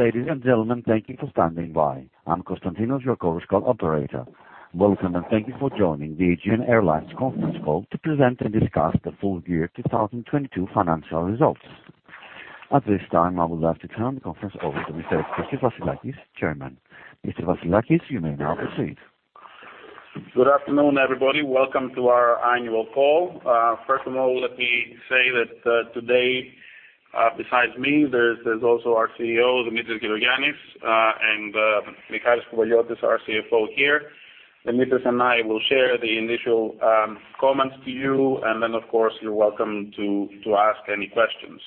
Ladies and gentlemen, thank you for standing by. I'm Constantinos, your conference call operator. Welcome, thank you for joining the Aegean Airlines conference call to present and discuss the full year 2022 financial results. At this time, I would like to turn the conference over to Mr. Eftichios Vassilakis, Chairman. Mr. Vassilakis, you may now proceed. Good afternoon, everybody. Welcome to our annual call. First of all, let me say that today, besides me, there's also our CEO, Dimitris Gerogiannis, and Michalis Kouveliotis, our CFO here. Dimitris and I will share the initial comments to you, and then, of course, you're welcome to ask any questions.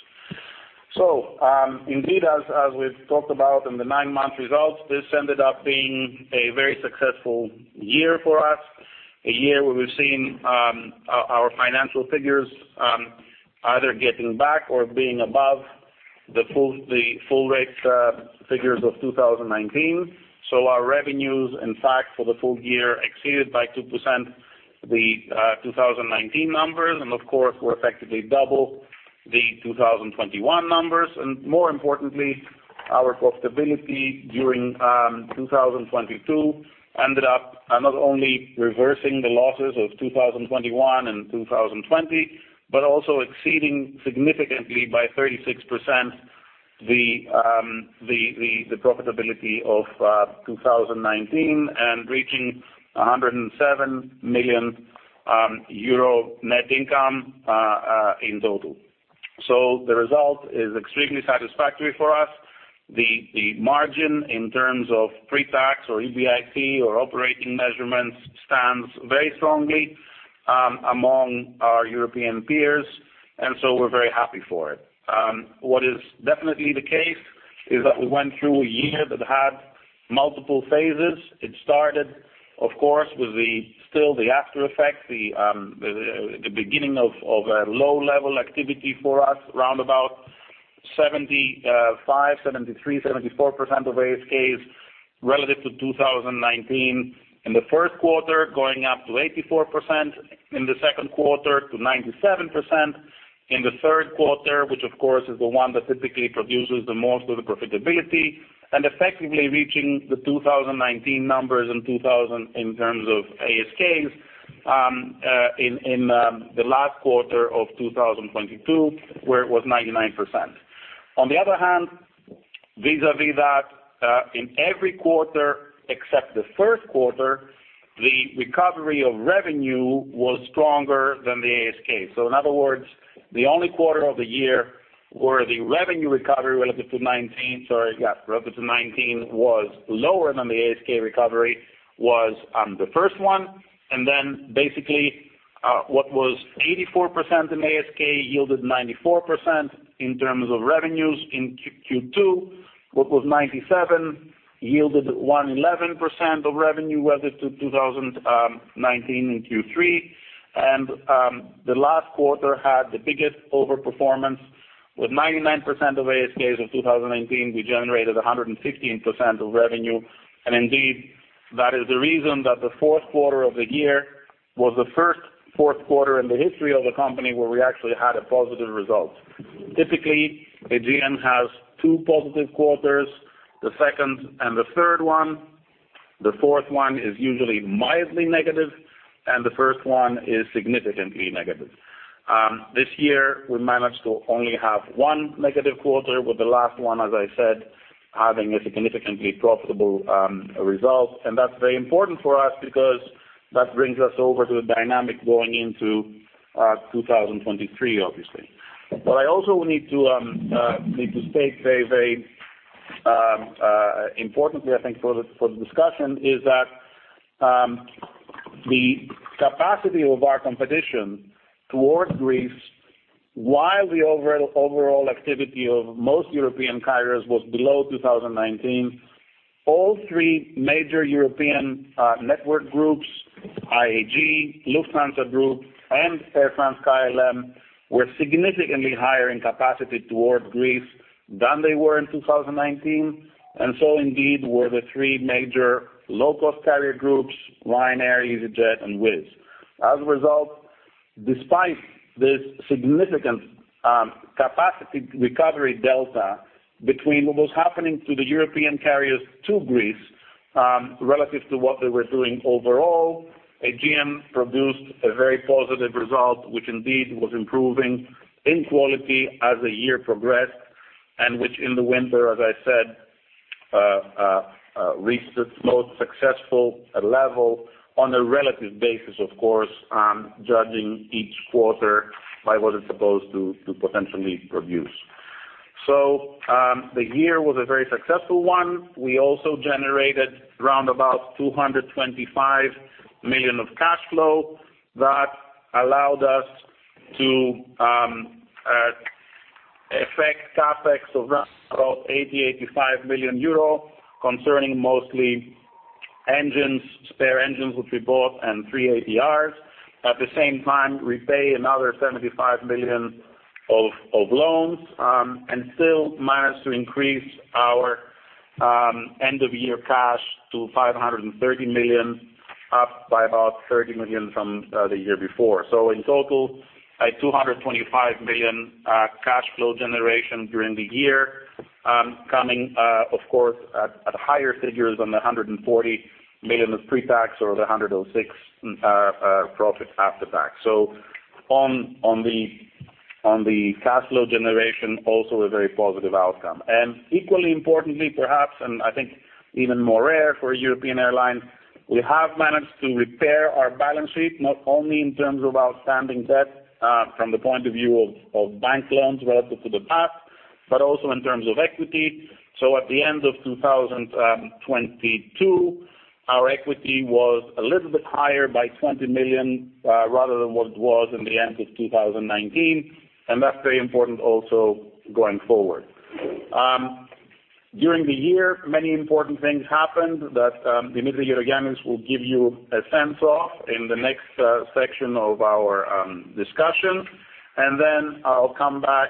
Indeed, as we've talked about in the nine-month results, this ended up being a very successful year for us. A year where we've seen our financial figures either getting back or being above the full rate figures of 2019. Our revenues, in fact, for the full year exceeded by 2% the 2019 numbers. Of course, were effectively double the 2021 numbers. More importantly, our profitability during 2022 ended up not only reversing the losses of 2021 and 2020, but also exceeding significantly by 36% the profitability of 2019 and reaching 107 million euro net income in total. The result is extremely satisfactory for us. The margin in terms of pretax or EBIT or operating measurements stands very strongly among our European peers, we're very happy for it. What is definitely the case is that we went through a year that had multiple phases. It started, of course, with the still the aftereffect, the beginning of a low level activity for us, round about 75%, 73%, 74% of ASKs relative to 2019 in the first quarter, going up to 84% in the second quarter, to 97% in the third quarter, which of course is the one that typically produces the most of the profitability. Effectively reaching the 2019 numbers in 2000 in terms of ASKs in the last quarter of 2022, where it was 99%. On the other hand, vis-a-vis that, in every quarter except the first quarter, the recovery of revenue was stronger than the ASK. In other words, the only quarter of the year where the revenue recovery relative to 2019. Sorry, yeah, relative to 2019 was lower than the ASK recovery was, the first one, then basically, what was 84% in ASK yielded 94% in terms of revenues in Q2, what was 97% yielded 111% of revenue relative to 2019 in Q3. The last quarter had the biggest overperformance. With 99% of ASKs of 2019, we generated 115% of revenue. Indeed, that is the reason that the fourth quarter of the year was the first fourth quarter in the history of the company where we actually had a positive result. Typically, Aegean has two positive quarters, the second and the third one. The fourth one is usually mildly negative, and the first one is significantly negative. This year we managed to only have one negative quarter, with the last one, as I said, having a significantly profitable result. That's very important for us because that brings us over to the dynamic going into 2023, obviously. What I also need to state very, very importantly, I think for the discussion is that the capacity of our competition towards Greece while the overall activity of most European carriers was below 2019, all three major European network groups, IAG, Lufthansa Group and Air France-KLM, were significantly higher in capacity towards Greece than they were in 2019. Indeed were the three major low-cost carrier groups Ryanair, easyJet and Wizz. Despite this significant capacity recovery delta between what was happening to the European carriers to Greece, relative to what they were doing overall, Aegean produced a very positive result, which indeed was improving in quality as the year progressed, and which in the winter, as I said, reached its most successful level on a relative basis, of course, judging each quarter by what it's supposed to potentially produce. The year was a very successful one. We also generated round about 225 million of cash flow that allowed us to effect CapEx of around 80 million-85 million euro concerning mostly engines, spare engines, which we bought, and three ATRs. At the same time, repay another 75 million of loans, and still managed to increase our end of year cash to 530 million. Up by about 30 million from the year before. In total, a 225 million cash flow generation during the year, coming of course, at higher figures than the 140 million of pre-tax or the 106 profit after tax. On the cash flow generation, also a very positive outcome. Equally importantly perhaps, and I think even more rare for a European airline, we have managed to repair our balance sheet, not only in terms of outstanding debt, from the point of view of bank loans relative to the past, but also in terms of equity. At the end of 2022, our equity was a little bit higher by 20 million rather than what it was in the end of 2019, and that's very important also going forward. During the year, many important things happened that Dimitris Gerogiannis will give you a sense of in the next section of our discussion. Then I'll come back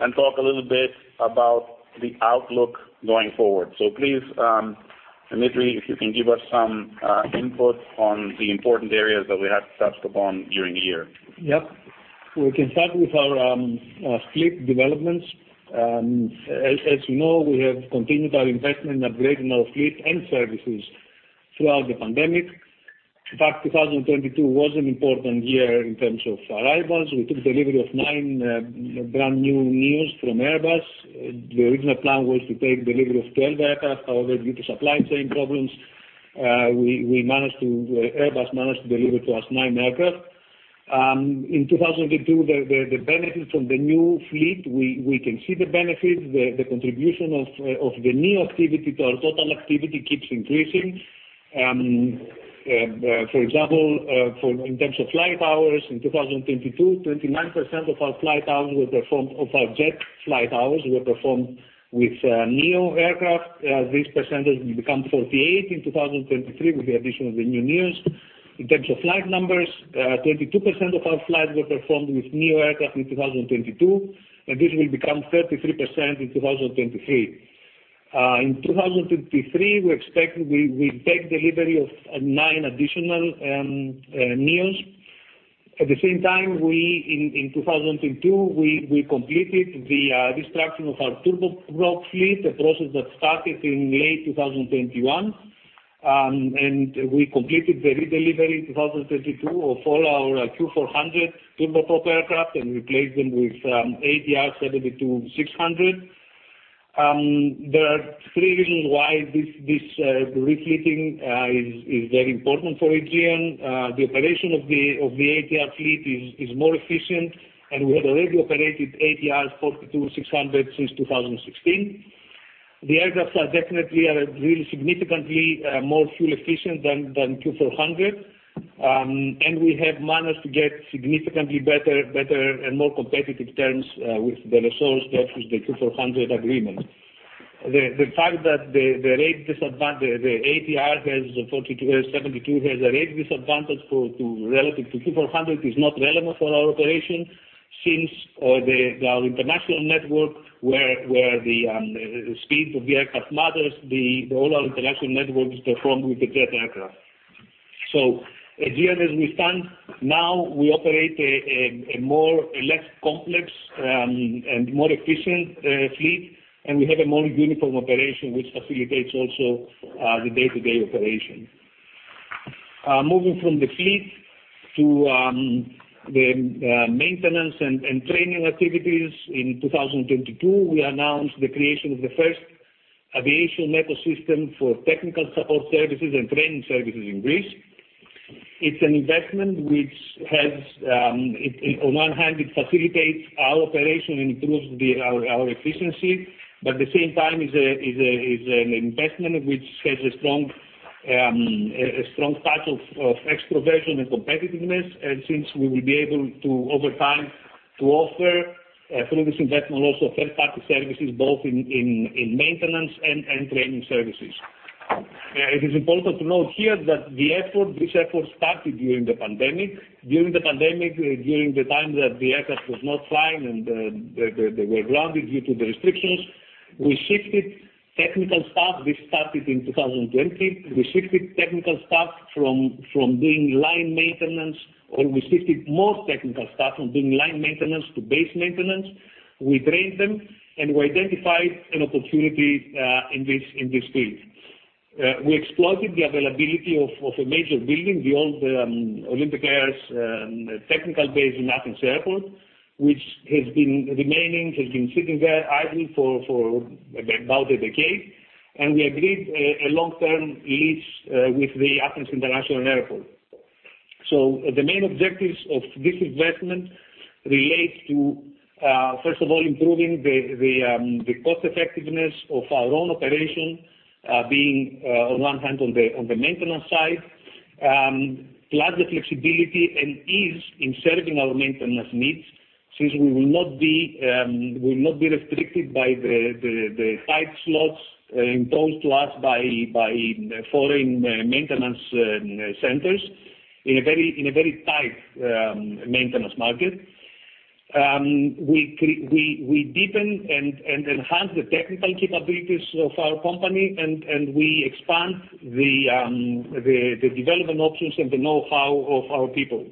and talk a little bit about the outlook going forward. Please, Dimitris, if you can give us some input on the important areas that we have touched upon during the year. Yep. We can start with our fleet developments. As you know, we have continued our investment in upgrading our fleet and services throughout the pandemic. In fact, 2022 was an important year in terms of arrivals. We took delivery of nine brand new neos from Airbus. The original plan was to take delivery of 12 aircraft. However, due to supply chain problems, Airbus managed to deliver to us nine aircraft. In 2022, the benefit from the new fleet, we can see the benefit, the contribution of the new activity to our total activity keeps increasing. For example, for in terms of flight hours, in 2022, 29% of our jet flight hours were performed with neo aircraft. This percentage will become 48% in 2023 with the addition of the new neos. In terms of flight numbers, 22% of our flights were performed with NEO aircraft in 2022, and this will become 33% in 2023. In 2023, we expect we take delivery of nine additional neos. At the same time, we in 2022, we completed the destruction of our turboprop fleet, a process that started in late 2021. We completed the redelivery in 2022 of all our Q400 turboprop aircraft and replaced them with ATR 72-600. There are three reasons why this refitting is very important for Aegean. The operation of the ATR fleet is more efficient, and we had already operated ATR 42-600 since 2016. The aircraft are definitely really significantly more fuel efficient than Q400. We have managed to get significantly better and more competitive terms with the lessors than with the Q400 agreement. The fact that the rate disadvantage the ATR 42, 72 has a rate disadvantage relative to Q400 is not relevant for our operation since our international network where the speed of the aircraft matters, all our international network is performed with the jet aircraft. Aegean as we stand now, we operate a more a less complex and more efficient fleet, and we have a more uniform operation which facilitates also the day-to-day operation. Moving from the fleet to the maintenance and training activities. In 2022, we announced the creation of the first aviation ecosystem for technical support services and training services in Greece. It's an investment which has it on one hand it facilitates our operation and improves the our efficiency, but at the same time is an investment which has a strong a strong touch of extroversion and competitiveness. Since we will be able to over time to offer through this investment also third party services both in maintenance and training services. It is important to note here that the effort, this effort started during the pandemic. During the pandemic, during the time that the aircraft was not flying and they were grounded due to the restrictions, we shifted technical staff. This started in 2020. We shifted technical staff from doing line maintenance, or we shifted more technical staff from doing line maintenance to base maintenance. We trained them, and we identified an opportunity in this, in this field. We exploited the availability of a major building, the old Olympic Air's technical base in Athens Airport, which has been sitting there idle for about a decade. We agreed a long-term lease with the Athens International Airport. The main objectives of this investment relates to first of all, improving the cost effectiveness of our own operation, being on one hand on the maintenance side, plus the flexibility and ease in serving our maintenance needs since we will not be restricted by the tight slots imposed to us by foreign maintenance centers in a very tight maintenance market. We deepen and enhance the technical capabilities of our company and we expand the development options and the know-how of our people.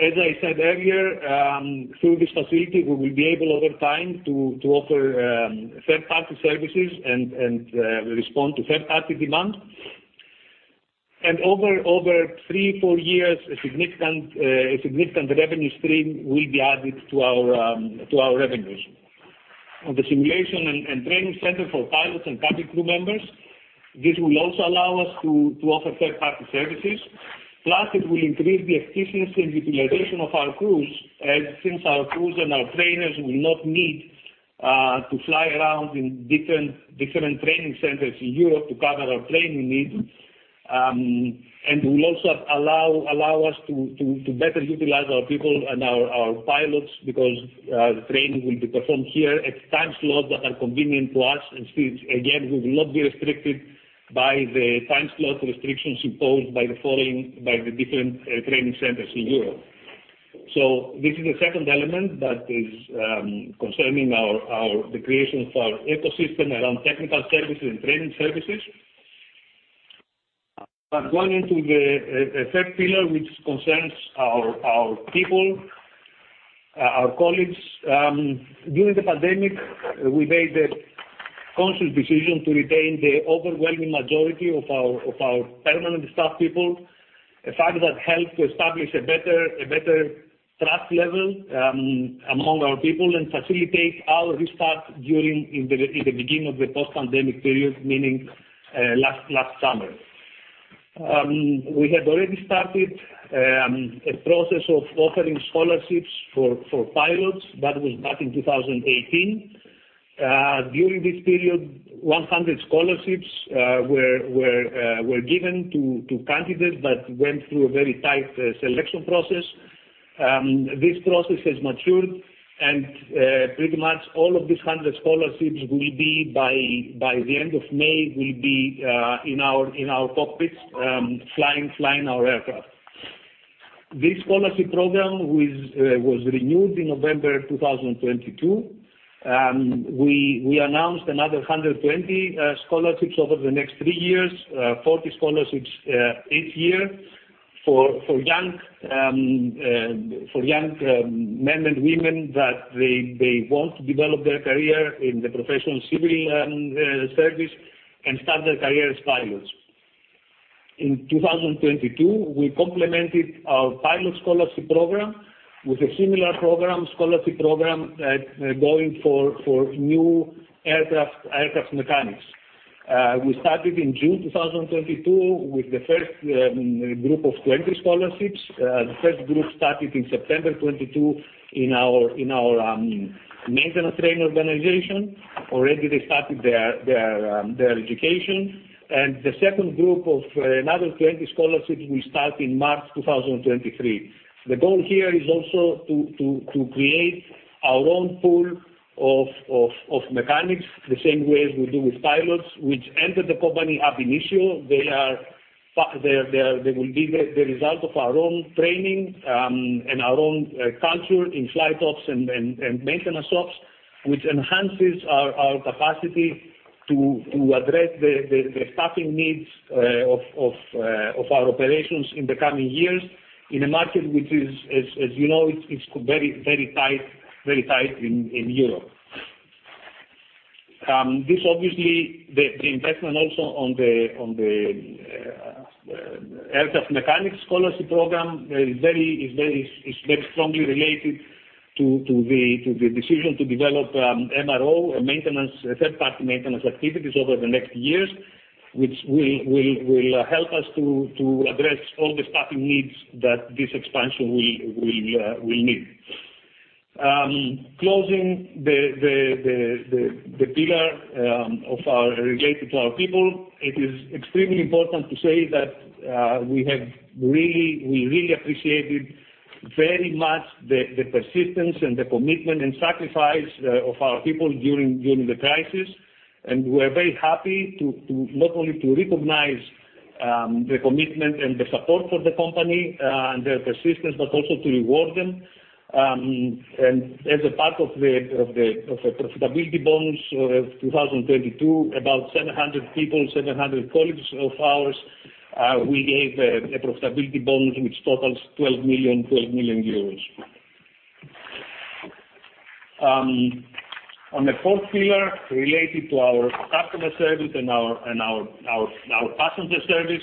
As I said earlier, through this facility we will be able over time to offer third party services and respond to third party demand. Over three, four years a significant revenue stream will be added to our revenues. On the simulation and training center for pilots and cabin crew members, this will also allow us to offer third party services, plus it will increase the efficiency and utilization of our crews, since our crews and our trainers will not need to fly around in different training centers in Europe to cover our training needs. Will also allow us to better utilize our people and our pilots because the training will be performed here at time slots that are convenient to us. Since again, we will not be restricted by the time slot restrictions imposed by the different training centers in Europe. This is the second element that is concerning the creation of our ecosystem around technical services and training services. Going into the third pillar which concerns our people, our colleagues. During the pandemic we made the conscious decision to retain the overwhelming majority of our, of our permanent staff people. A fact that helped to establish a better trust level among our people and facilitate our restart during the beginning of the post pandemic period, meaning last summer. We had already started a process of offering scholarships for pilots. That was back in 2018. During this period 100 scholarships were given to candidates that went through a very tight selection process. This process has matured and pretty much all of these 100 scholarships will be by the end of May, will be in our cockpits, flying our aircraft. This scholarship program was renewed in November 2022. We announced another 120 scholarships over the next three years. 40 scholarships each year for young men and women that they want to develop their career in the professional civil service and start their career as pilots. In 2022, we complemented our pilot scholarship program with a similar program, scholarship program, going for new aircraft mechanics. We started in June 2022 with the first group of 20 scholarships. The first group started in September 2022 in our maintenance training organization. Already they started their education. The second group of another 20 scholarships will start in March 2023. The goal here is also to create our own pool of mechanics the same way as we do with pilots which enter the company ab initio. They will be the result of our own training and our own culture in flight ops and maintenance ops, which enhances our capacity to address the staffing needs of our operations in the coming years in a market which is as you know, it's very tight in Europe. This obviously the investment also on the aircraft mechanics scholarship program is very strongly related to the decision to develop MRO maintenance, third party maintenance activities over the next years, which will help us to address all the staffing needs that this expansion will need. Closing the pillar of our related to our people, it is extremely important to say that we really appreciated very much the persistence and the commitment and sacrifice of our people during the crisis. We are very happy to not only to recognize the commitment and the support for the company and their persistence, but also to reward them. As a part of the profitability bonus of 2022, about 700 colleagues of ours, we gave a profitability bonus which totals 12 million. On the fourth pillar related to our customer service and our passenger service.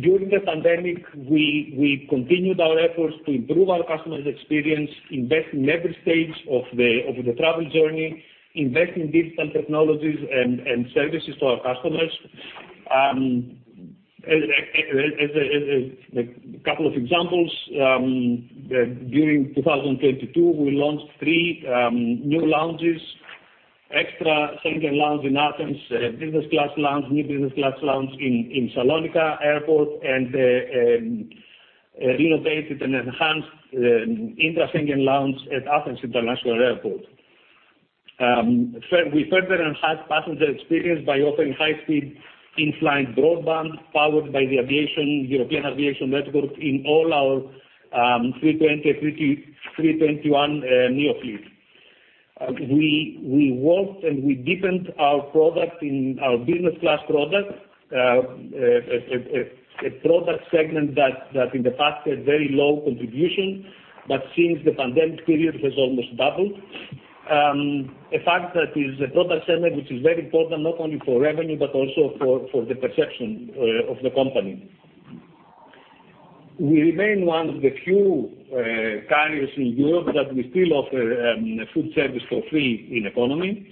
During the pandemic, we continued our efforts to improve our customers experience, invest in every stage of the travel journey, invest in digital technologies and services to our customers. As a couple of examples, during 2022, we launched three new lounges, extra Schengen lounge in Athens business class lounge, new business class lounge in Thessaloniki Airport and a renovated and enhanced intra Schengen lounge at Athens International Airport. We further enhanced passenger experience by offering high speed in-flight broadband powered by the European Aviation Network in all our 320, 321 neo fleet. We worked and we deepened our product in our business class product. A product segment that in the past had very low contribution, but since the pandemic period has almost doubled. A fact that is a product segment which is very important not only for revenue but also for the perception of the company. We remain one of the few carriers in Europe that we still offer a food service for free in economy.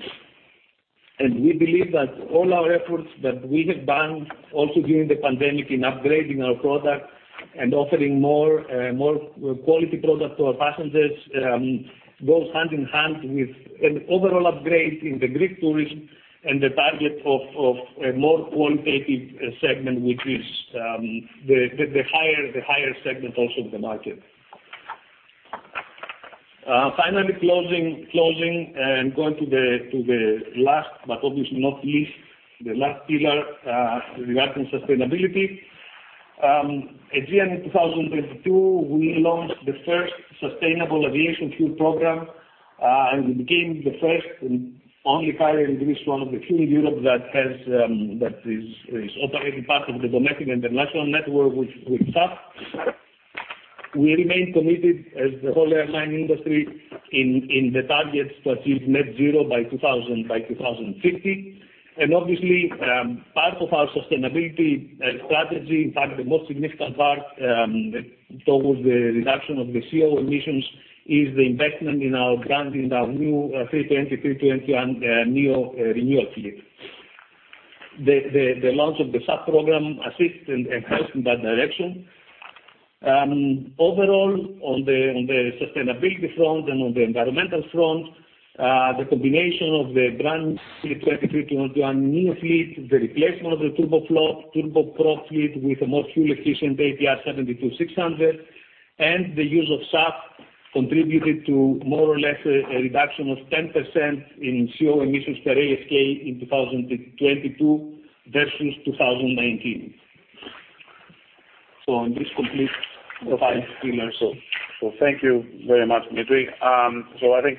We believe that all our efforts that we have done also during the pandemic in upgrading our product and offering more quality product to our passengers goes hand in hand with an overall upgrade in the Greek tourism and the target of a more qualitative segment, which is the higher segment also of the market. Closing and going to the last, but obviously not least, the last pillar regarding sustainability. Aegean in 2022, we launched the first Sustainable Aviation Fuel program, and we became the first and only carrier in Greece, one of the few in Europe that has that is operating part of the domestic international network with SAF. We remain committed as the whole airline industry in the targets to achieve net zero by 2050. Obviously, part of our sustainability strategy, in fact the most significant part, towards the reduction of the CO₂ emissions is the investment in our brand, in our new A320 and neo renewal fleet. The launch of the SAF program assists and helps in that direction. Overall, on the sustainability front and on the environmental front, the combination of the brand A320, A321 neo fleet, the replacement of the turboprop fleet with a more fuel efficient ATR 72-600 and the use of SAF contributed to more or less a reduction of 10% in CO₂ emissions per ASK in 2022 versus 2019. This completes the five pillars. Thank you very much, Dimitris. I think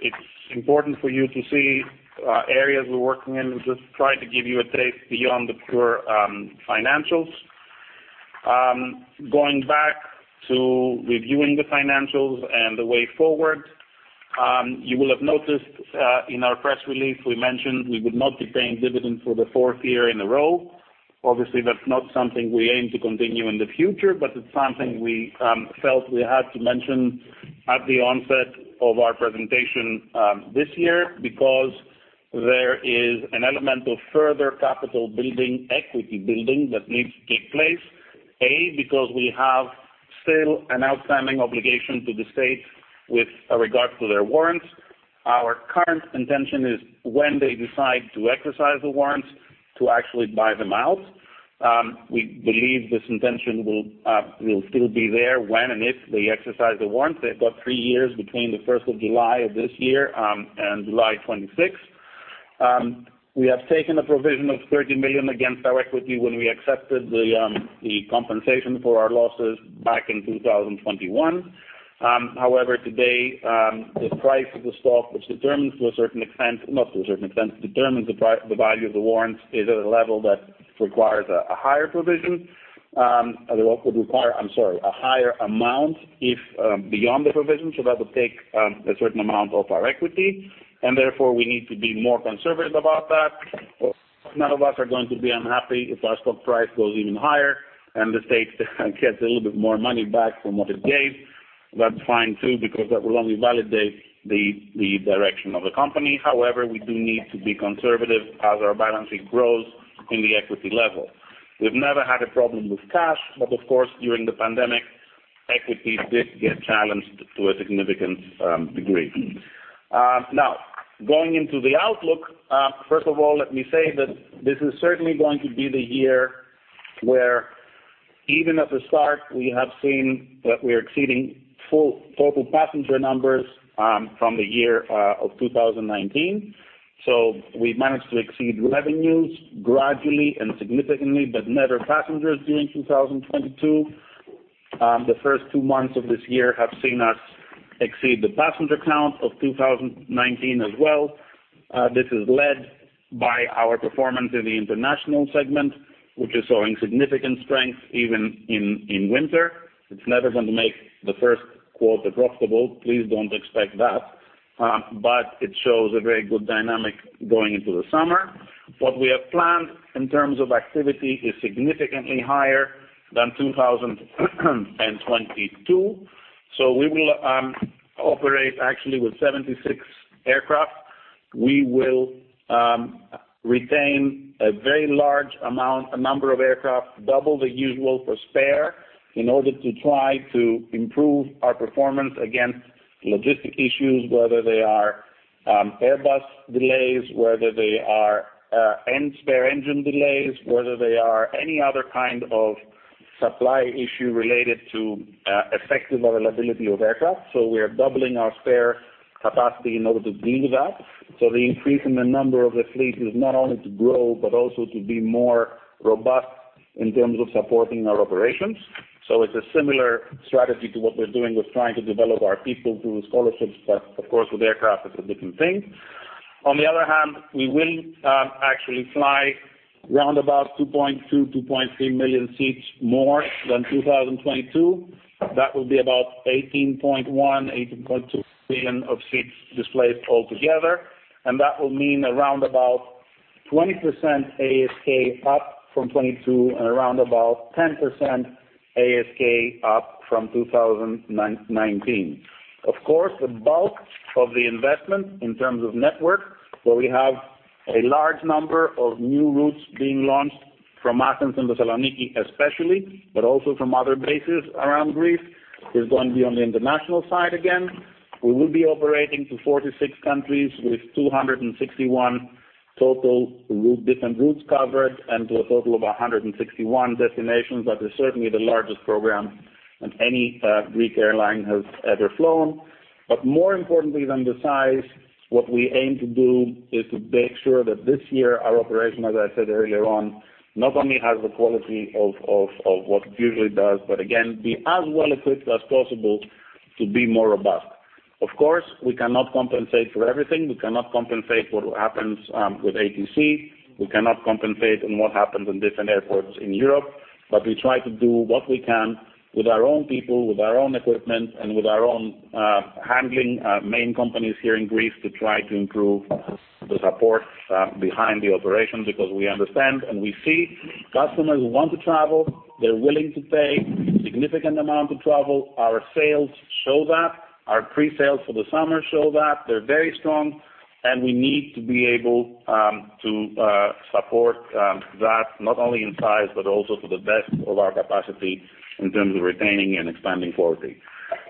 it's important for you to see areas we're working in and just try to give you a taste beyond the pure financials. Going back to reviewing the financials and the way forward, you will have noticed in our press release we mentioned we would not be paying dividends for the fourth year in a row. Obviously, that's not something we aim to continue in the future, but it's something we felt we had to mention at the onset of our presentation this year because there is an element of further capital building, equity building that needs to take place because we have still an outstanding obligation to the state with regard to their warrants. Our current intention is when they decide to exercise the warrants to actually buy them out. We believe this intention will still be there when and if they exercise the warrants. They've got three years between the 1st of July of this year and July 26th. We have taken a provision of 30 million against our equity when we accepted the compensation for our losses back in 2021. However, today, the price of the stock, which determines to a certain extent, not to a certain extent, determines the value of the warrants, is at a level that requires a higher provision. Other word, would require, I'm sorry, a higher amount if, beyond the provision, so that would take a certain amount of our equity, and therefore we need to be more conservative about that. Of course, none of us are going to be unhappy if our stock price goes even higher and the state gets a little bit more money back from what it gave. That's fine too, because that will only validate the direction of the company. However, we do need to be conservative as our balancing grows in the equity level. We've never had a problem with cash, but of course, during the pandemic, equities did get challenged to a significant degree. Now, going into the outlook, first of all, let me say that this is certainly going to be the year where even at the start we have seen that we are exceeding full total passenger numbers from the year of 2019. We managed to exceed revenues gradually and significantly, but never passengers during 2022. The first two months of this year have seen us exceed the passenger count of 2019 as well. This is led by our performance in the international segment, which is showing significant strength even in winter. It's never going to make the first quarter profitable. Please don't expect that. It shows a very good dynamic going into the summer. What we have planned in terms of activity is significantly higher than 2022. We will operate actually with 76 aircraft. We will retain a very large amount, a number of aircraft, double the usual for spare, in order to try to improve our performance against logistic issues, whether they are Airbus delays, whether they are spare engine delays, whether they are any other kind of supply issue related to effective availability of aircraft. We are doubling our spare capacity in order to deal with that. The increase in the number of the fleet is not only to grow, but also to be more robust in terms of supporting our operations. It's a similar strategy to what we're doing with trying to develop our people through scholarships, but of course, with aircraft it's a different thing. On the other hand, we will actually fly round about 2.2 million-2.3 million seats more than 2022. That will be about 18.1 billion-18.2 billion of seats displaced all together. That will mean around about 20% ASK up from 2022 and around about 10% ASK up from 2019. Of course, the bulk of the investment in terms of network, where we have a large number of new routes being launched from Athens and Thessaloniki especially, but also from other bases around Greece, is going to be on the international side again. We will be operating to 46 countries with 261 total route, different routes covered and to a total of 161 destinations. That is certainly the largest program that any Greek airline has ever flown. More importantly than the size, what we aim to do is to make sure that this year our operation, as I said earlier on, not only has the quality of what it usually does, but again, be as well-equipped as possible to be more robust. Of course, we cannot compensate for everything. We cannot compensate what happens with ATC. We cannot compensate on what happens in different airports in Europe. We try to do what we can with our own people, with our own equipment, and with our own handling main companies here in Greece to try to improve the support behind the operation, because we understand and we see customers want to travel. They're willing to pay significant amount to travel. Our sales show that. Our pre-sales for the summer show that. They're very strong, and we need to be able to support that not only in size but also to the best of our capacity in terms of retaining and expanding forwardly.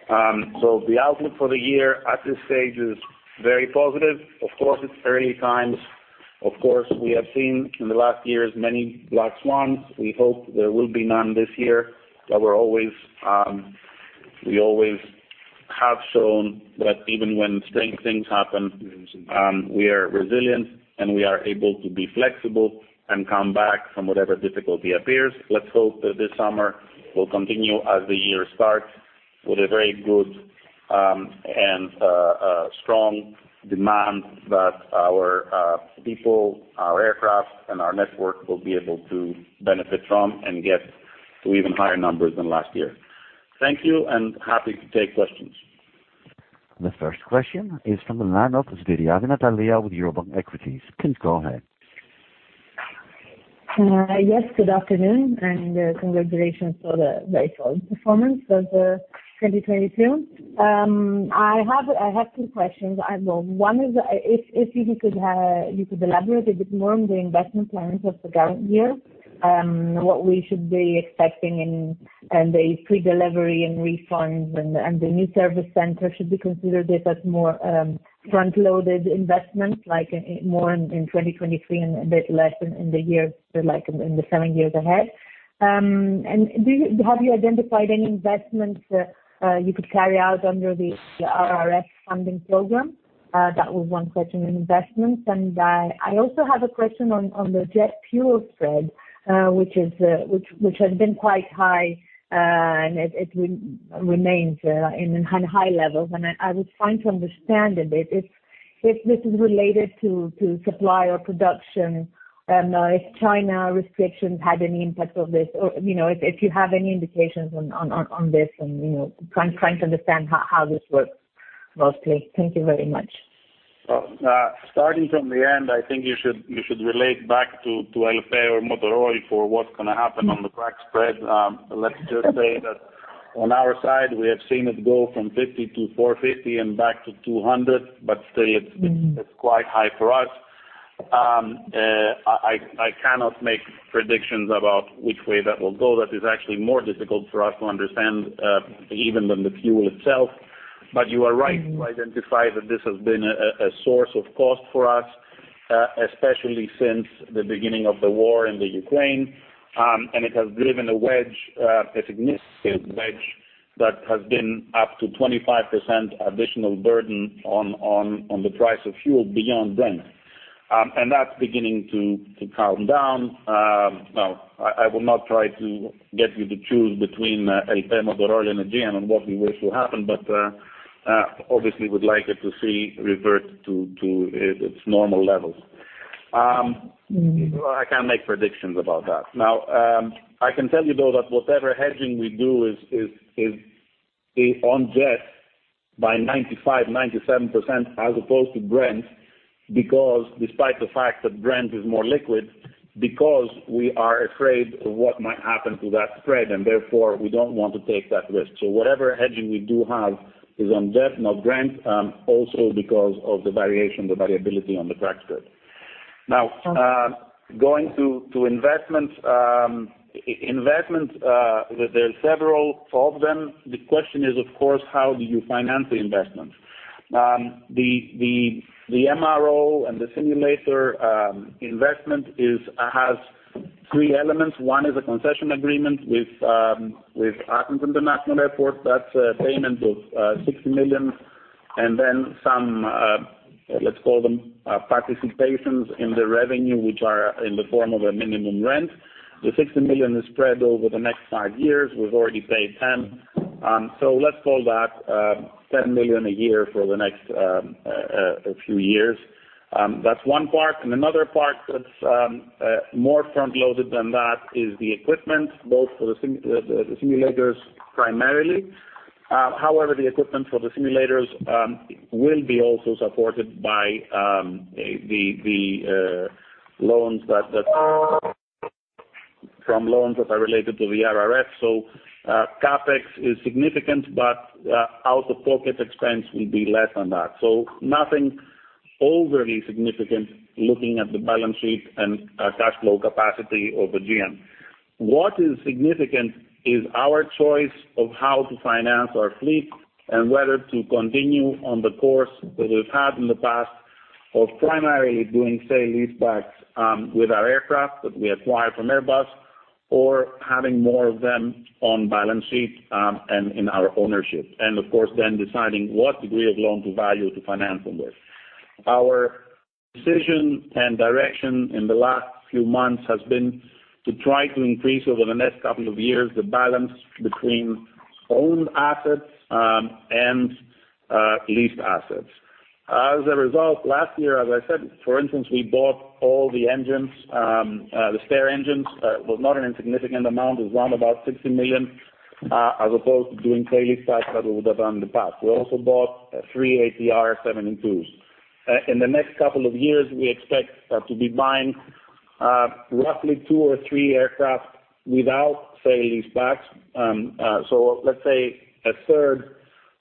The outlook for the year at this stage is very positive. Of course, it's early times. Of course, we have seen in the last years many black swans. We hope there will be none this year, but we're always, we always have shown that even when strange things happen, we are resilient, and we are able to be flexible and come back from whatever difficulty appears. Let's hope that this summer will continue as the year starts with a very good, and strong demand that our people, our aircraft, and our network will be able to benefit from and get to even higher numbers than last year. Thank you. Happy to take questions. The first question is from the line of Svyriadi Natalia with Eurobank Equities. Please go ahead. Yes, good afternoon, congratulations for the very solid performance of 2022. I have two questions. Well, one is, if you could elaborate a bit more on the investment plans of the current year, what we should be expecting in the pre-delivery and refunds and the new service center. Should we consider this as more front-loaded investments, like more in 2023 and a bit less in the years, seven years ahead? Have you identified any investments that you could carry out under the RRF funding program? That was one question in investments. I also have a question on the jet fuel spread, which is, which has been quite high, and it remains in high levels. I was trying to understand a bit if this is related to supply or production and if China restrictions had any impact of this or, you know, if you have any indications on this and, you know, trying to understand how this works mostly. Thank you very much. Well, starting from the end, I think you should relate back to ELPE or Motor Oil for what's gonna happen on the crack spread. Let's just say that on our side, we have seen it go from 50 to 450 and back to 200, but still it's quite high for us. I cannot make predictions about which way that will go. That is actually more difficult for us to understand, even than the fuel itself. But you are right to identify that this has been a source of cost for us, especially since the beginning of the war in the Ukraine. It has driven a wedge, a significant wedge that has been up to 25% additional burden on the price of fuel beyond Brent. That's beginning to calm down. Now, I will not try to get you to choose between ELPE, Motor Oil and Aegean on what we wish will happen, but obviously would like it to see revert to its normal levels. Well, I can't make predictions about that. Now, I can tell you though, that whatever hedging we do is on jet by 95%-97% as opposed to Brent because despite the fact that Brent is more liquid, because we are afraid of what might happen to that spread and therefore we don't want to take that risk. Whatever hedging we do have is on jet, not Brent, also because of the variation, the variability on the crack spread. Now, going to investment, there are several, four of them. The question is, of course, how do you finance the investment? The MRO and the simulator investment has three elements. One is a concession agreement with Athens International Airport. That's a payment of 60 million, and then some, let's call them, participations in the revenue which are in the form of a minimum rent. The 60 million is spread over the next five years. We've already paid 10 million. So let's call that 10 million a year for the next few years. That's one part. Another part that's more front-loaded than that is the equipment, both for the simulators primarily. However, the equipment for the simulators will be also supported by the loans that are related to the RRF. CapEx is significant, but out-of-pocket expense will be less than that. Nothing overly significant looking at the balance sheet and cash flow capacity of Aegean. What is significant is our choice of how to finance our fleet and whether to continue on the course that we've had in the past of primarily doing sale leasebacks with our aircraft that we acquire from Airbus or having more of them on balance sheet and in our ownership. Of course, then deciding what degree of loan to value to finance them with. Our decision and direction in the last few months has been to try to increase over the next couple of years the balance between owned assets and leased assets. As a result, last year, as I said, for instance, we bought all the engines, the spare engines. It was not an insignificant amount. It was around 60 million as opposed to doing sale leasebacks as we would have done in the past. We also bought three ATR 72s. In the next couple of years, we expect to be buying roughly two or three aircraft without sale leasebacks. Let's say a third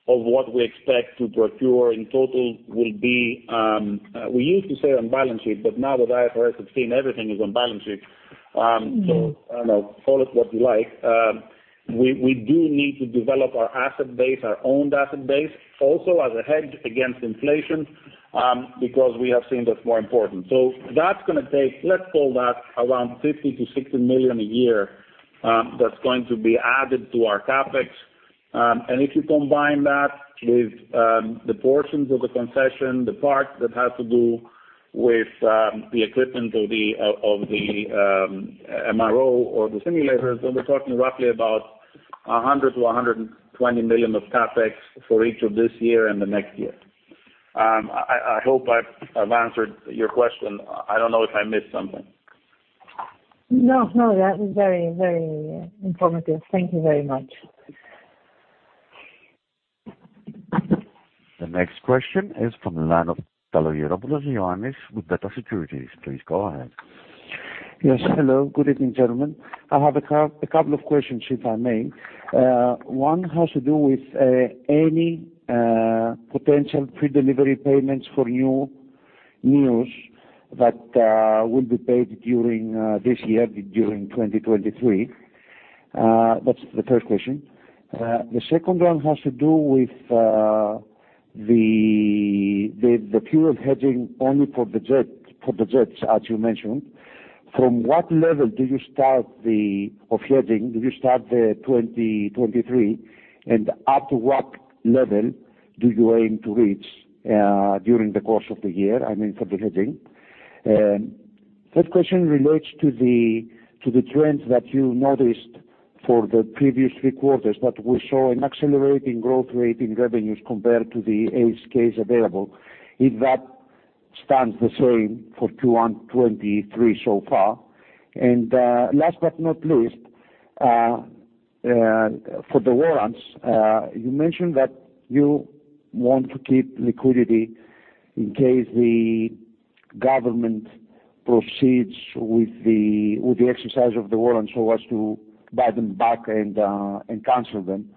of what we expect to procure in total will be we used to say on balance sheet, but now that IFRS 16 everything is on balance sheet. I don't know, call it what you like. We do need to develop our asset base, our owned asset base, also as a hedge against inflation, because we have seen that's more important. That's gonna take, let's call that around 50 million-60 million a year, that's going to be added to our CapEx. If you combine that with the portions of the concession, the part that has to do with the equipment of the MRO or the simulators, then we're talking roughly about 100 million-120 million of CapEx for each of this year and the next year. I hope I've answered your question. I don't know if I missed something. No, no. That was very, very informative. Thank you very much. The next question is from the line of with Beta Securities. Please go ahead. Yes. Hello. Good evening, gentlemen. I have a couple of questions, if I may. One has to do with any potential pre-delivery payments for neos that will be paid during this year, during 2023. That's the first question. The second one has to do with the period of hedging only for the jets, as you mentioned. From what level do you start of hedging? Do you start the 2023? Up to what level do you aim to reach during the course of the year? I mean, for the hedging. Third question relates to the trends that you noticed for the previous three quarters that we saw an accelerating growth rate in revenues compared to the ASKs available, if that stands the same for 2023 so far. And last but not least, for the warrants, you mentioned that you want to keep liquidity in case the government proceeds with the exercise of the warrants so as to buy them back and cancel them.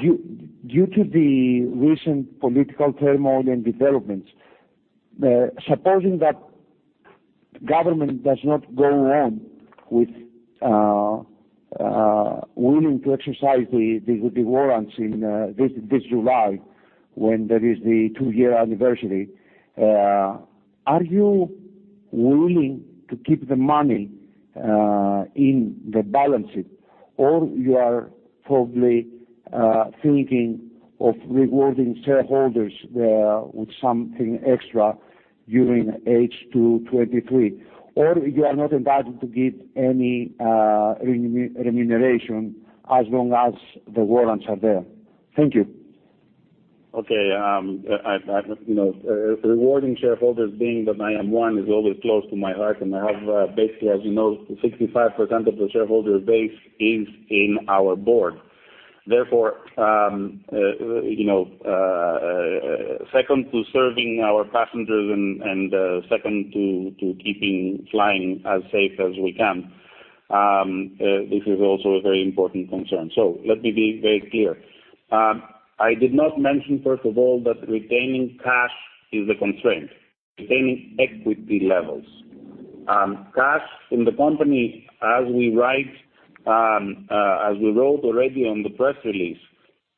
Due to the recent political turmoil and developments, supposing that government does not go on with willing to exercise the warrants in this July when there is the two-year anniversary, are you willing to keep the money in the balance sheet or you are probably thinking of rewarding shareholders with something extra during H2 2023? You are not entitled to give any remuneration as long as the warrants are there? Thank you. Okay. I, you know, rewarding shareholders being that I am one, is always close to my heart, and I have, basically, as you know, 65% of the shareholder base is in our board. Therefore, you know, second to serving our passengers and, second to keeping flying as safe as we can, this is also a very important concern. Let me be very clear. I did not mention, first of all, that retaining cash is a constraint. Retaining equity levels cash in the company as we write, as we wrote already on the press release,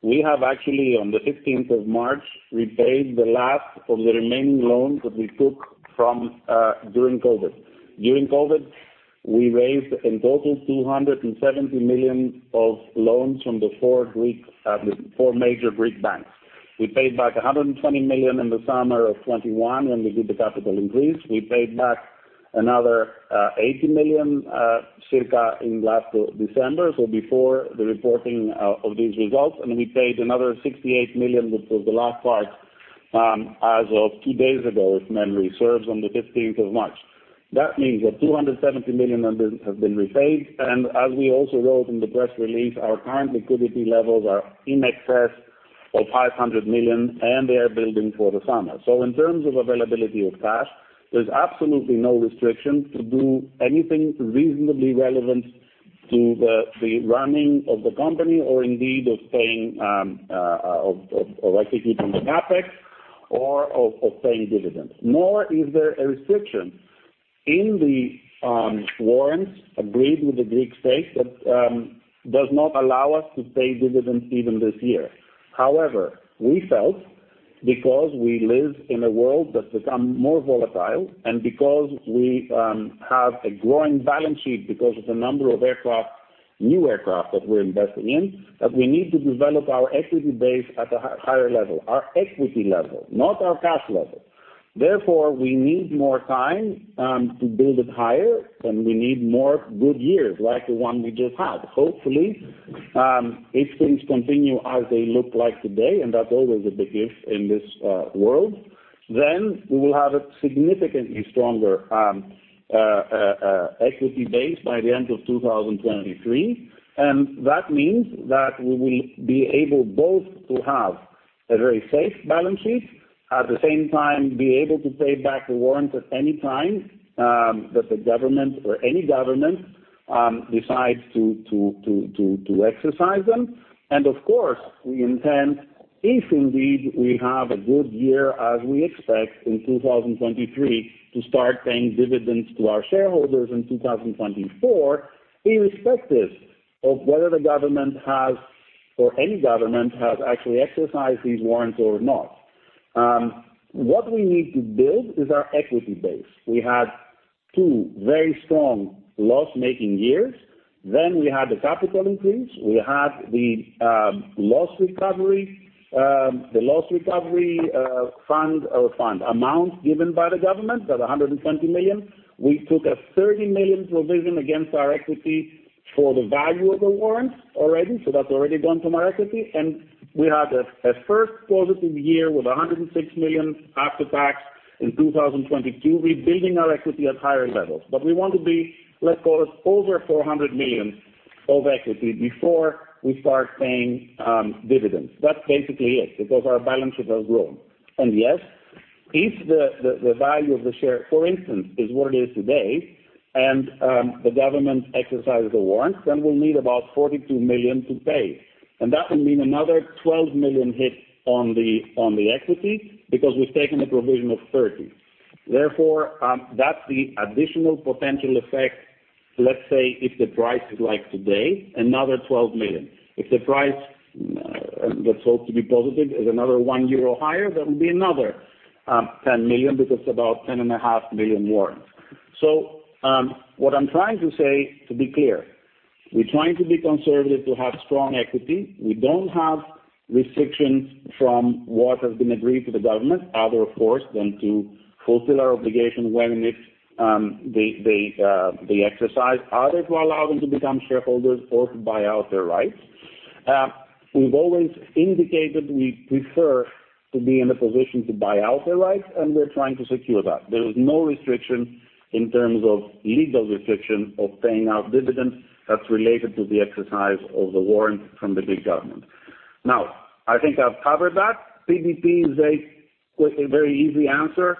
we have actually on the 15th of March repaid the last of the remaining loans that we took from during COVID. During COVID, we raised in total 270 million of loans from the four Greek, the four major Greek banks. We paid back 120 million in the summer of 2021 when we did the capital increase. We paid back another 80 million circa in last December, before the reporting of these results. We paid another 68 million, which was the last part, as of two days ago, if memory serves, on the 15th of March. That means that 270 million have been repaid. As we also wrote in the press release, our current liquidity levels are in excess of 500 million, and they are building for the summer. In terms of availability of cash, there's absolutely no restriction to do anything reasonably relevant to the running of the company or indeed of paying, of executing the CapEx or of paying dividends. Nor is there a restriction in the warrants agreed with the Greek state that does not allow us to pay dividends even this year. However, we felt because we live in a world that's become more volatile and because we have a growing balance sheet because of the number of aircraft, new aircraft that we're investing in, that we need to develop our equity base at a higher level, our equity level, not our cash level. Therefore, we need more time to build it higher, and we need more good years like the one we just had. Hopefully, if things continue as they look like today, and that's always a big if in this world, then we will have a significantly stronger equity base by the end of 2023. That means that we will be able both to have a very safe balance sheet, at the same time be able to pay back the warrants at any time that the government or any government decides to exercise them. Of course, we intend, if indeed we have a good year as we expect in 2023, to start paying dividends to our shareholders in 2024, irrespective of whether the government has or any government has actually exercised these warrants or not. What we need to build is our equity base. We had two very strong loss-making years. We had the capital increase. We had the loss recovery fund amount given by the government, that 120 million. We took a 30 million provision against our equity for the value of the warrants already, so that's already gone from our equity. We had a first positive year with 106 million after tax in 2022, rebuilding our equity at higher levels. We want to be, let's call it, over 400 million of equity before we start paying dividends. That's basically it because our balance sheet has grown. Yes, if the value of the share, for instance, is what it is today and the government exercises the warrants, then we'll need about 42 million to pay. That will mean another 12 million hit on the equity because we've taken a provision of 30. Therefore, that's the additional potential effect, let's say if the price is like today, another 12 million. If the price, let's hope to be positive, is another 1 euro higher, that would be another 10 million because it's about 10.5 million warrants. What I'm trying to say, to be clear, we're trying to be conservative to have strong equity. We don't have restrictions from what has been agreed to the government other, of course, than to fulfill our obligation when and if, they, they exercise either to allow them to become shareholders or to buy out their rights. We've always indicated we prefer to be in a position to buy out their rights, and we're trying to secure that. There is no restriction in terms of legal restriction of paying out dividends that's related to the exercise of the warrants from the Greek government. Now, I think I've covered that. PDP is a quick and very easy answer.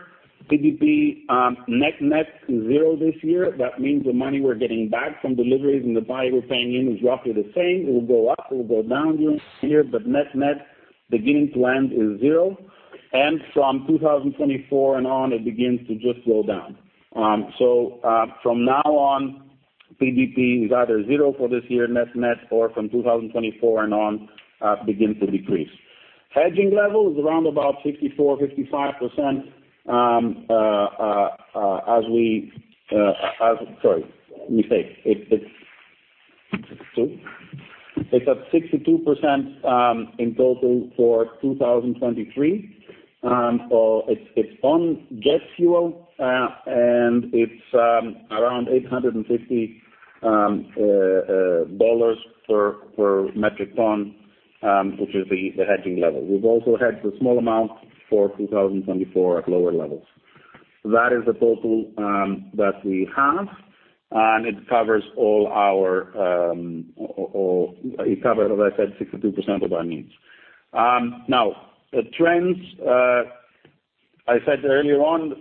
PDP, net-net is zero this year. That means the money we're getting back from deliveries and the buy we're paying in is roughly the same. It will go up, it will go down here, but net-net beginning to end is zero. From 2024 and on, it begins to just go down. From now on, PDP is either zero for this year net-net or from 2024 and on, begins to decrease. Hedging level is around about 64%, 55%, as we, sorry, mistake. It's 62% in total for 2023. It's on jet fuel, and it's around $850 per metric ton, which is the hedging level. We've also hedged a small amount for 2024 at lower levels. That is the total that we have, and it covers all our, or it covers, as I said, 62% of our needs. Now the trends, I said earlier on,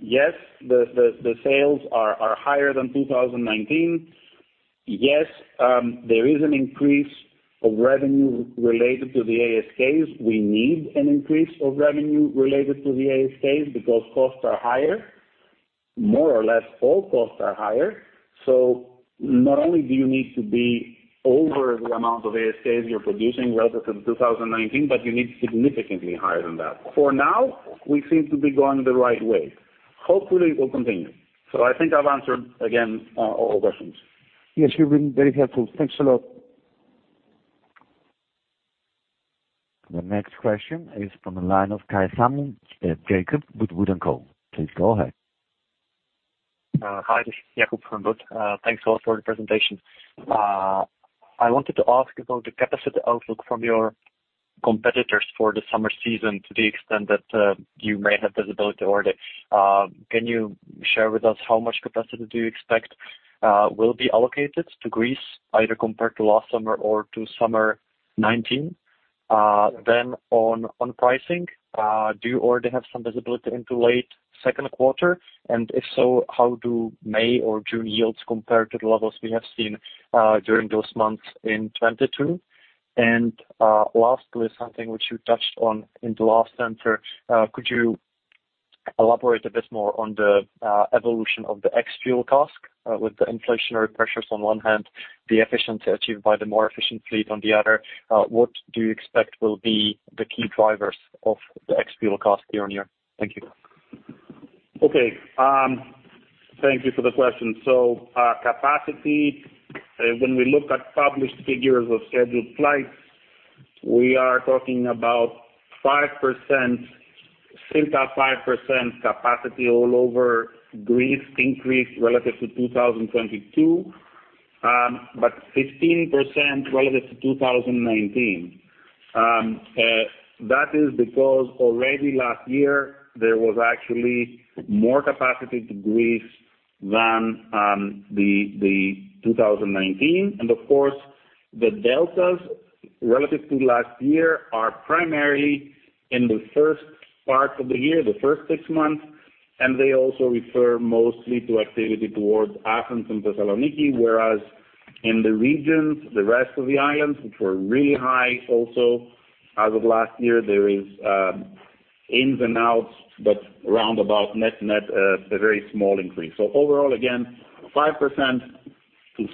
yes, the sales are higher than 2019. Yes, there is an increase of revenue related to the ASKs. We need an increase of revenue related to the ASKs because costs are higher. More or less all costs are higher. Not only do you need to be over the amount of ASKs you're producing relative to 2019, but you need significantly higher than that. For now, we seem to be going the right way. Hopefully, it will continue. I think I've answered again all questions. Yes, you've been very helpful. Thanks a lot. The next question is from the line of Caithaml Jakub with WOOD & Co. Please go ahead. Hi, Jakub from WOOD. Thanks a lot for the presentation. I wanted to ask about the capacity outlook from your competitors for the summer season, to the extent that you may have visibility already. Can you share with us how much capacity do you expect will be allocated to Greece, either compared to last summer or to summer 2019? On pricing, do you already have some visibility into late second quarter? If so, how do May or June yields compare to the levels we have seen during those months in 2022? Lastly, something which you touched on in the last answer, could you elaborate a bit more on the evolution of the ex-fuel costs, with the inflationary pressures on one hand, the efficiency achieved by the more efficient fleet on the other, what do you expect will be the key drivers of the ex-fuel cost year-on-year? Thank you. Okay. Thank you for the question. Capacity, when we look at published figures of scheduled flights, we are talking about 5% capacity all over Greece increase relative to 2022, but 15% relative to 2019. That is because already last year there was actually more capacity to Greece than the 2019. Of course, the Deltas relative to last year are primarily in the first part of the year, the first six months, and they also refer mostly to activity towards Athens and Thessaloniki. Whereas in the regions, the rest of the islands, which were really high also as of last year, there is ins and outs, but round about net net, a very small increase. Overall, again, 5%-6%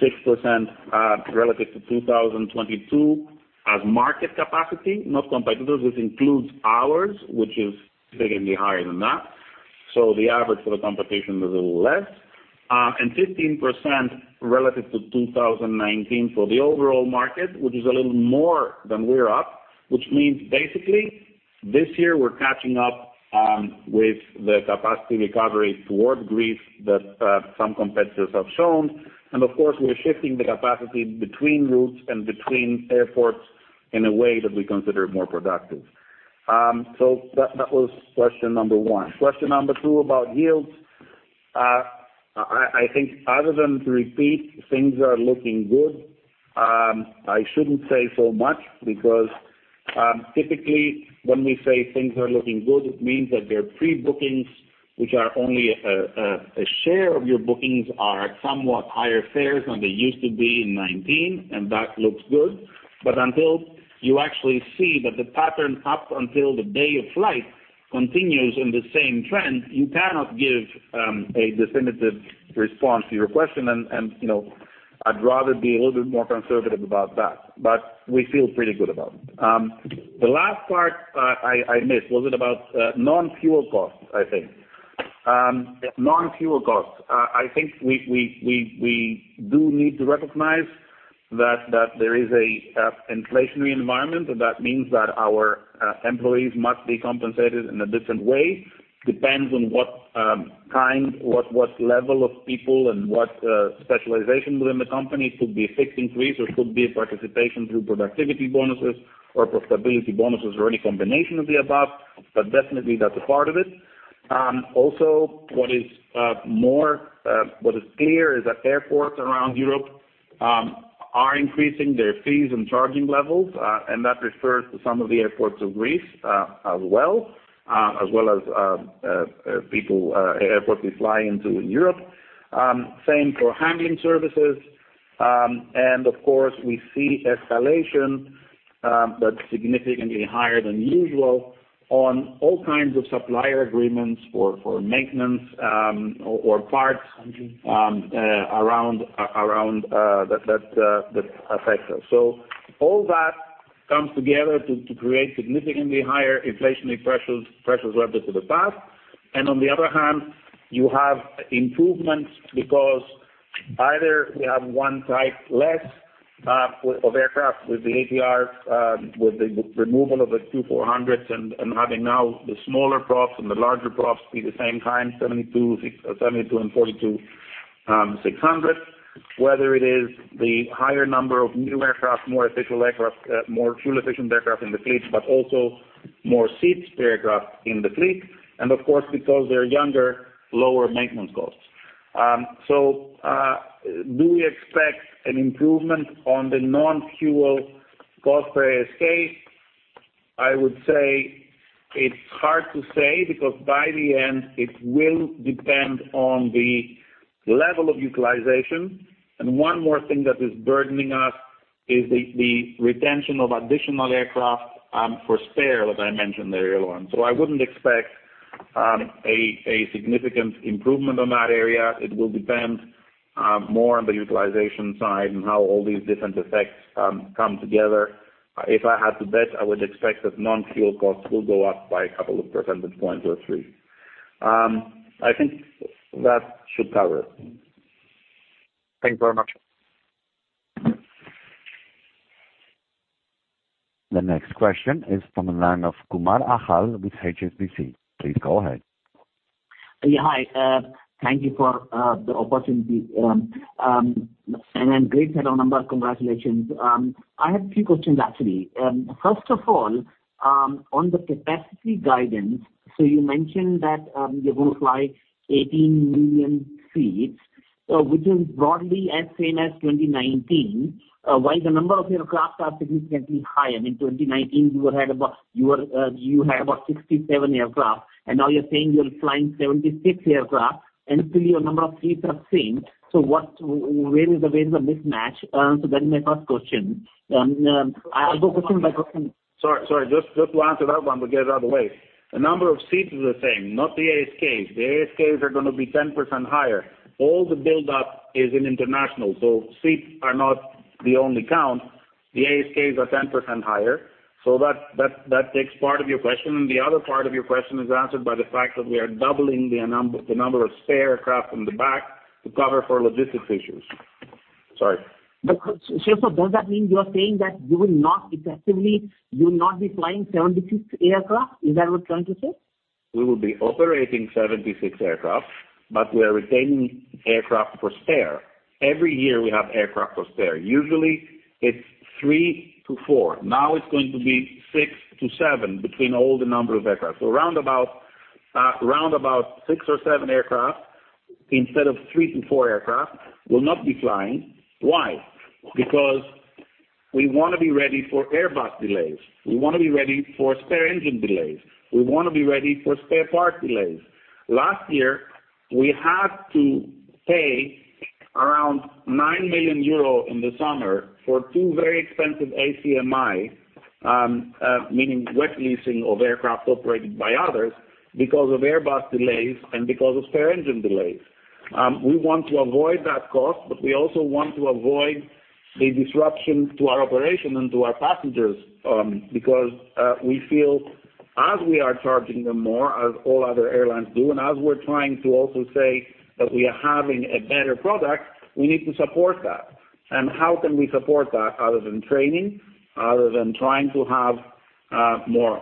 relative to 2022 as market capacity, not competitors. This includes ours, which is significantly higher than that. The average for the competition is a little less. 15% relative to 2019 for the overall market, which is a little more than we're up, which means basically this year we're catching up with the capacity recovery toward Greece that some competitors have shown. Of course, we're shifting the capacity between routes and between airports in a way that we consider more productive. That was question number one. Question number two about yields. I think other than to repeat things are looking good, I shouldn't say so much because typically when we say things are looking good, it means that their pre-bookings, which are only a share of your bookings, are at somewhat higher fares than they used to be in 2019. That looks good. Until you actually see that the pattern up until the day of flight continues in the same trend, you cannot give a definitive response to your question. You know, I'd rather be a little bit more conservative about that. We feel pretty good about it. The last part I missed. Was it about non-fuel costs, I think. Non-fuel costs. I think we do need to recognize that there is a inflationary environment. That means that our employees must be compensated in a different way. Depends on what kind, what level of people and what specialization within the company. It could be a fixed increase or it could be a participation through productivity bonuses or profitability bonuses or any combination of the above, but definitely that's a part of it. Also what is more, what is clear is that airports around Europe are increasing their fees and charging levels. That refers to some of the airports of Greece as well, as well as airports we fly into in Europe. Same for handling services. Of course, we see escalation, but significantly higher than usual on all kinds of supplier agreements for maintenance, or parts, around that affects us. All that comes together to create significantly higher inflationary pressures relative to the past. On the other hand, you have improvements because either we have one type less of aircraft with the ATRs, with the removal of the two 400s and having now the smaller props and the larger props be the same kind, 72 and 42-600. Whether it is the higher number of new aircraft, more efficient aircraft, more fuel efficient aircraft in the fleet, but also more seats per aircraft in the fleet. Of course, because they're younger, lower maintenance costs. Do we expect an improvement on the non-fuel cost per ASK? I would say it's hard to say because by the end, it will depend on the level of utilization. One more thing that is burdening us is the retention of additional aircraft, for spare, as I mentioned earlier on. I wouldn't expect a significant improvement on that area. It will depend more on the utilization side and how all these different effects come together. If I had to bet, I would expect that non-fuel costs will go up by a couple of percentage points or three. I think that should cover it. Thank you very much. The next question is from the line of Kumar Achal with HSBC. Please go ahead. Yeah, hi. Thank you for the opportunity. Great set of number. Congratulations. I have three questions, actually. First of all, on the capacity guidance, you mentioned that you're gonna fly 18 million seats, which is broadly as same as 2019. Why the number of aircraft are significantly higher? I mean, 2019, you had about 67 aircraft, now you're saying you're flying 76 aircraft, still your number of seats are same. Where is the mismatch? That's my first question. I'll go question by question. Sorry, sorry. Just to answer that one, to get it out of the way. The number of seats is the same, not the ASKs. The ASKs are gonna be 10% higher. All the buildup is in international, seats are not the only count. The ASKs are 10% higher. That takes part of your question, the other part of your question is answered by the fact that we are doubling the number of spare aircraft in the back to cover for logistics issues. Sorry. Does that mean you are saying that you will not effectively, you will not be flying 76 aircraft? Is that what you're trying to say? We will be operating 76 aircraft, but we are retaining aircraft for spare. Every year we have aircraft for spare. Usually, it's 3-4. Now it's going to be 6-7 between all the number of aircraft. Round about six or seven aircraft instead of 3-4 aircraft will not be flying. Why? Because we wanna be ready for Airbus delays. We wanna be ready for spare engine delays. We wanna be ready for spare parts delays. Last year, we had to pay around 9 million euro in the summer for two very expensive ACMI, meaning wet leasing of aircraft operated by others because of Airbus delays and because of spare engine delays. We want to avoid that cost, but we also want to avoid a disruption to our operation and to our passengers, because we feel as we are charging them more, as all other airlines do, and as we're trying to also say that we are having a better product, we need to support that. How can we support that other than training, other than trying to have more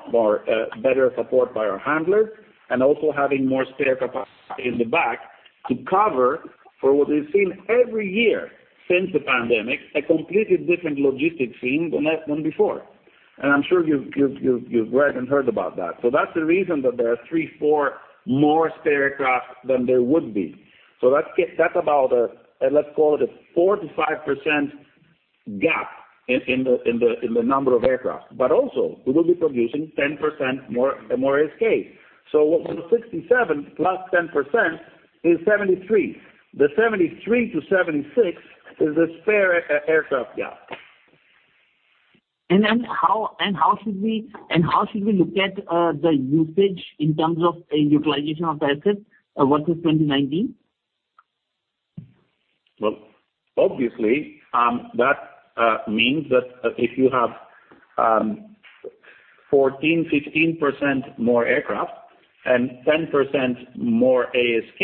better support by our handlers and also having more spare capacity in the back to cover for what we've seen every year since the pandemic, a completely different logistics scene than before. I'm sure you've read and heard about that. That's the reason that there are three, four more spare aircraft than there would be. That's about a, let's call it a 4%-5% gap in the number of aircraft. Also, we will be producing 10% more ASK. 67 plus 10% is 73. The 73-76 is the spare aircraft gap. How should we look at the usage in terms of a utilization of the assets versus 2019? Obviously, that means that if you have 14%, 15% more aircraft and 10% more ASK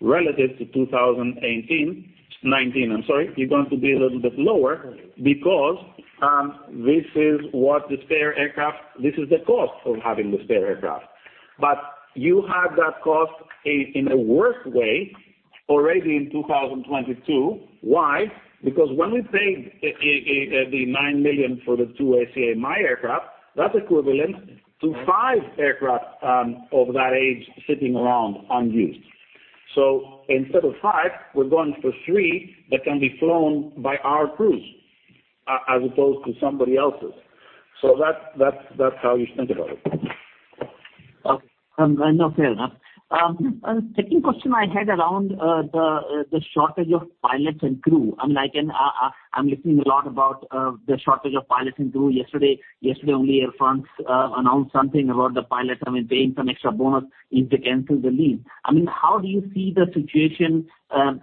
relative to 2018, 2019, I'm sorry, you're going to be a little bit lower because this is the cost of having the spare aircraft. You had that cost in a worse way already in 2022. Why? Because when we paid the 9 million for the two ACMI aircraft, that's equivalent to five aircraft of that age sitting around unused. Instead of five, we're going for three that can be flown by our crews as opposed to somebody else's. That's how you think about it. Okay. No fair enough. Second question I had around the shortage of pilots and crew. I mean, I'm listening a lot about the shortage of pilots and crew. Yesterday only Air France announced something about the pilots, I mean, paying some extra bonus if they cancel the leave. I mean, how do you see the situation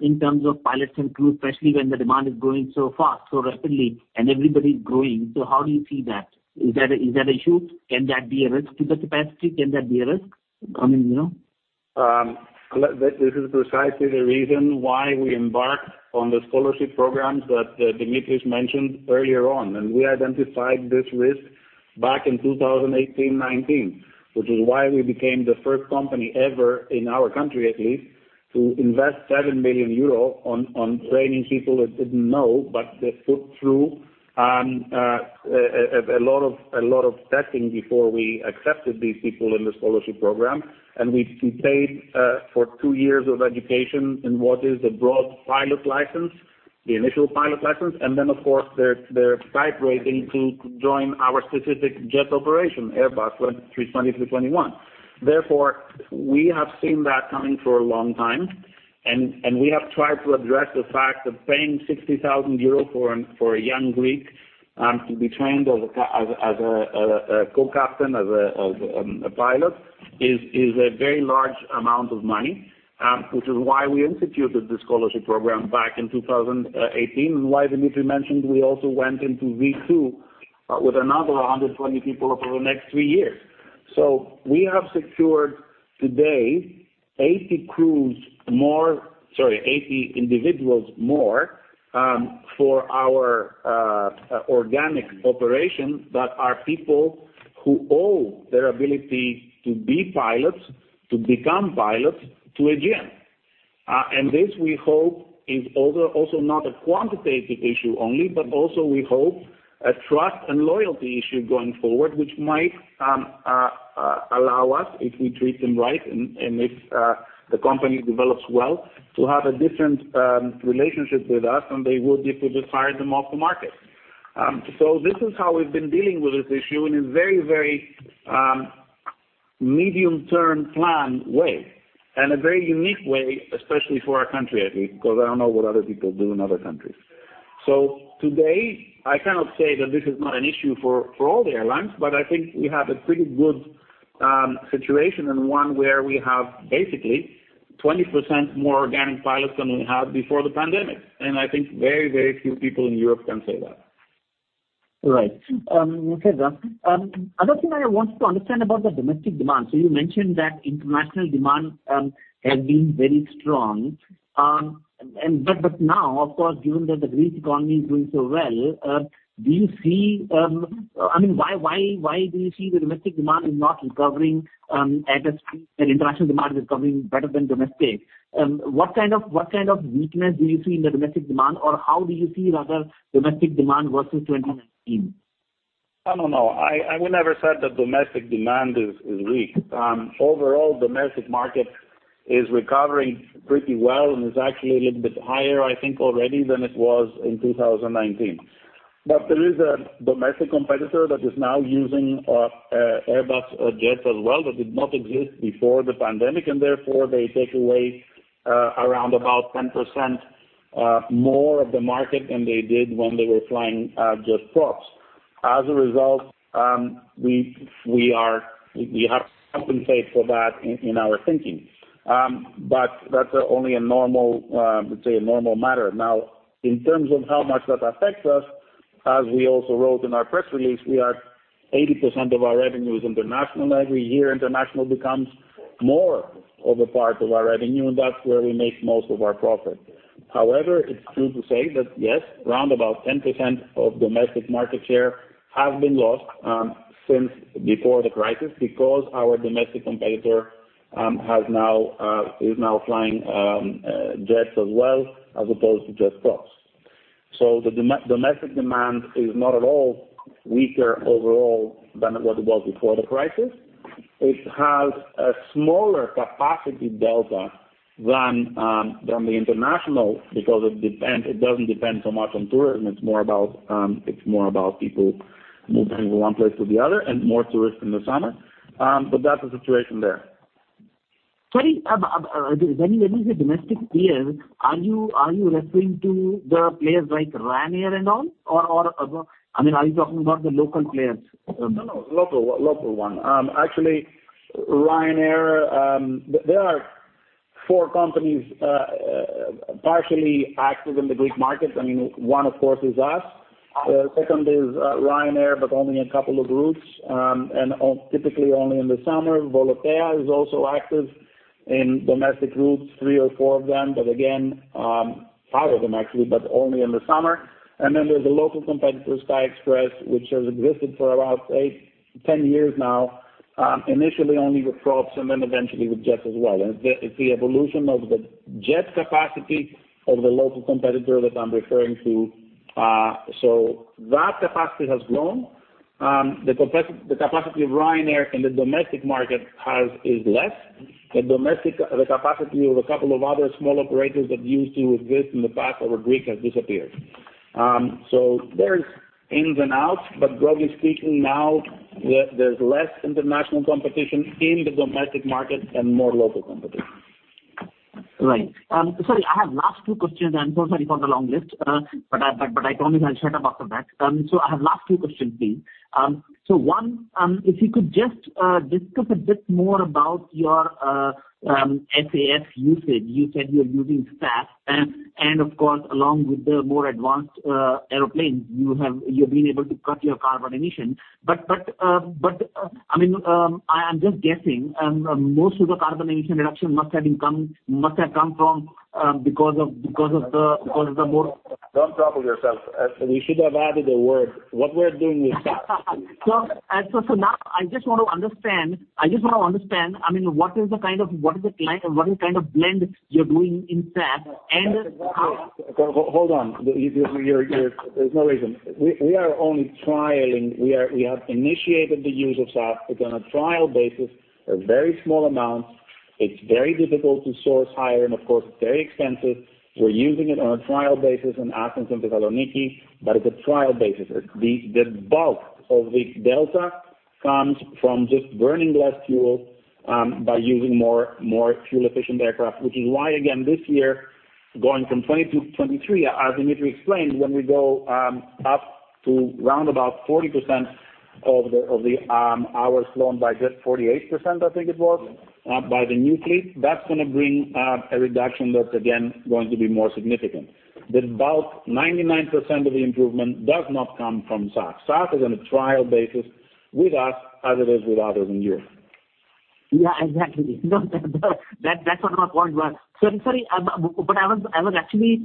in terms of pilots and crew, especially when the demand is growing so fast, so rapidly, and everybody's growing? How do you see that? Is that an issue? Can that be a risk to the capacity? Can that be a risk? I mean, you know. This is precisely the reason why we embarked on the scholarship programs that Dimitris mentioned earlier on. We identified this risk back in 2018, 2019, which is why we became the first company ever in our country, at least, to invest 7 million euro on training people that didn't know, but they put through a lot of testing before we accepted these people in the scholarship program. We paid for two years of education in what is a broad pilot license, the initial pilot license and then of course their type rating to join our specific jet operation, Airbus A320, A321. We have seen that coming for a long time and we have tried to address the fact that paying 60,000 euros for a young Greek to be trained as a co-captain, as a pilot is a very large amount of money, which is why we instituted the scholarship program back in 2018, and why Dimitris mentioned we also went into V2 with another 120 people over the next three years. We have secured today 80 crews more. Sorry, 80 individuals more for our organic operation that are people who owe their ability to be pilots, to become pilots to Aegean. This we hope is also not a quantitative issue only, but also we hope a trust and loyalty issue going forward, which might allow us, if we treat them right and if the company develops well, to have a different relationship with us than they would if we just hired them off the market. This is how we've been dealing with this issue in a very medium-term planned way and a very unique way, especially for our country, I think, because I don't know what other people do in other countries. Today, I cannot say that this is not an issue for all the airlines, but I think we have a pretty good situation and one where we have basically 20% more organic pilots than we had before the pandemic. I think very, very few people in Europe can say that. Right. Okay then. Another thing I want to understand about the domestic demand. You mentioned that international demand has been very strong. But now, of course, given that the Greek economy is doing so well, do you see... I mean why do you see the domestic demand is not recovering at the speed that international demand is recovering better than domestic? What kind of weakness do you see in the domestic demand? How do you see rather domestic demand versus 2019? I don't know. I would never said that domestic demand is weak. Overall domestic market is recovering pretty well and is actually a little bit higher I think already than it was in 2019. There is a domestic competitor that is now using Airbus jets as well that did not exist before the pandemic, and therefore they take away around about 10% more of the market than they did when they were flying just props. As a result, we have to compensate for that in our thinking. That's only a normal, let's say a normal matter. Now, in terms of how much that affects us, as we also wrote in our press release, we are 80% of our revenues international. Every year, international becomes more of a part of our revenue, and that's where we make most of our profit. However, it's true to say that yes, around 10% of domestic market share has been lost since before the crisis because our domestic competitor is now flying jets as well as opposed to just props. The domestic demand is not at all weaker overall than what it was before the crisis. It has a smaller capacity delta than the international because it depends, it doesn't depend so much on tourism. It's more about, it's more about people moving from one place to the other and more tourists in the summer. That's the situation there. Sorry. When you say domestic players, are you referring to the players like Ryanair and all? I mean, are you talking about the local players? No. Local one. Actually, Ryanair, there are four companies partially active in the Greek market. I mean, one of course is us. Second is Ryanair, but only a couple of routes and on typically only in the summer. Volotea is also active in domestic routes, three or four of them, but again, five of them actually, but only in the summer. There's a local competitor, SKY express, which has existed for about eight, 10 years now, initially only with props and then eventually with jets as well. It's the evolution of the jet capacity of the local competitor that I'm referring to. That capacity has grown. The capacity of Ryanair in the domestic market is less. The domestic, the capacity of a couple of other small operators that used to exist in the past over Greek has disappeared. There's ins and outs, but broadly speaking now there's less international competition in the domestic market and more local competition. Right. Sorry, I have last two questions so sorry for the long list. I, but I promise I'll shut up after that. I have last two questions, please. One, if you could just discuss a bit more about your SAF usage. You said you're using SAF and of course, along with the more advanced airplane, you have, you've been able to cut your carbon emission. But, I mean, I am just guessing, most of the carbon emission reduction must have come from because of the more- Don't trouble yourself. We should have added a word. What we're doing is SAF. Now I just want to understand, I mean, what kind of blend you're doing in SAF and how. Hold on. You're, there's no reason. We are only trialing. We have initiated the use of SAF. It's on a trial basis, a very small amount. It's very difficult to source higher and of course, it's very expensive. We're using it on a trial basis in Athens and Thessaloniki, but it's a trial basis. The bulk of the delta comes from just burning less fuel by using more fuel efficient aircraft, which is why, again, this year, going from 20 to 23, as Dimitris explained, when we go up to round about 40% of the hours flown by just 48% I think it was. Yes. By the new fleet, that's gonna bring a reduction that's again, going to be more significant. The bulk, 99% of the improvement does not come from SAF. SAF is on a trial basis with us as it is with others in Europe. Yeah, exactly. No, that, that's what my point was. Sorry, but I was actually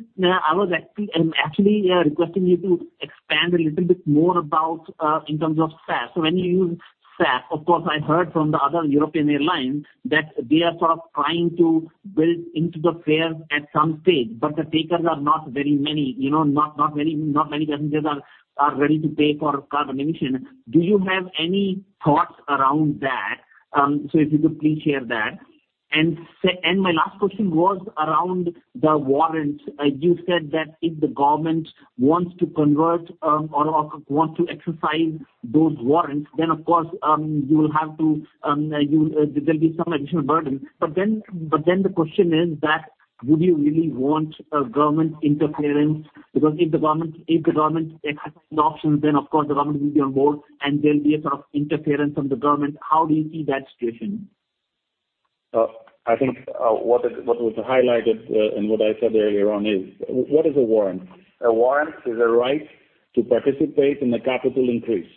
requesting you to expand a little bit more about in terms of SAF. When you use SAF, of course I've heard from the other European airlines that they are sort of trying to build into the fare at some stage, but the takers are not very many, you know, not many passengers are ready to pay for carbon emission. Do you have any thoughts around that? If you could please share that. My last question was around the warrants. You said that if the government wants to convert or want to exercise those warrants, then of course, you will have to there'll be some additional burden. The question is that would you really want a government interference? If the government exercises the options, then of course the government will be on board and there'll be a sort of interference from the government. How do you see that situation? I think, what is, what was highlighted, and what I said earlier on is what is a warrant? A warrant is a right to participate in a capital increase.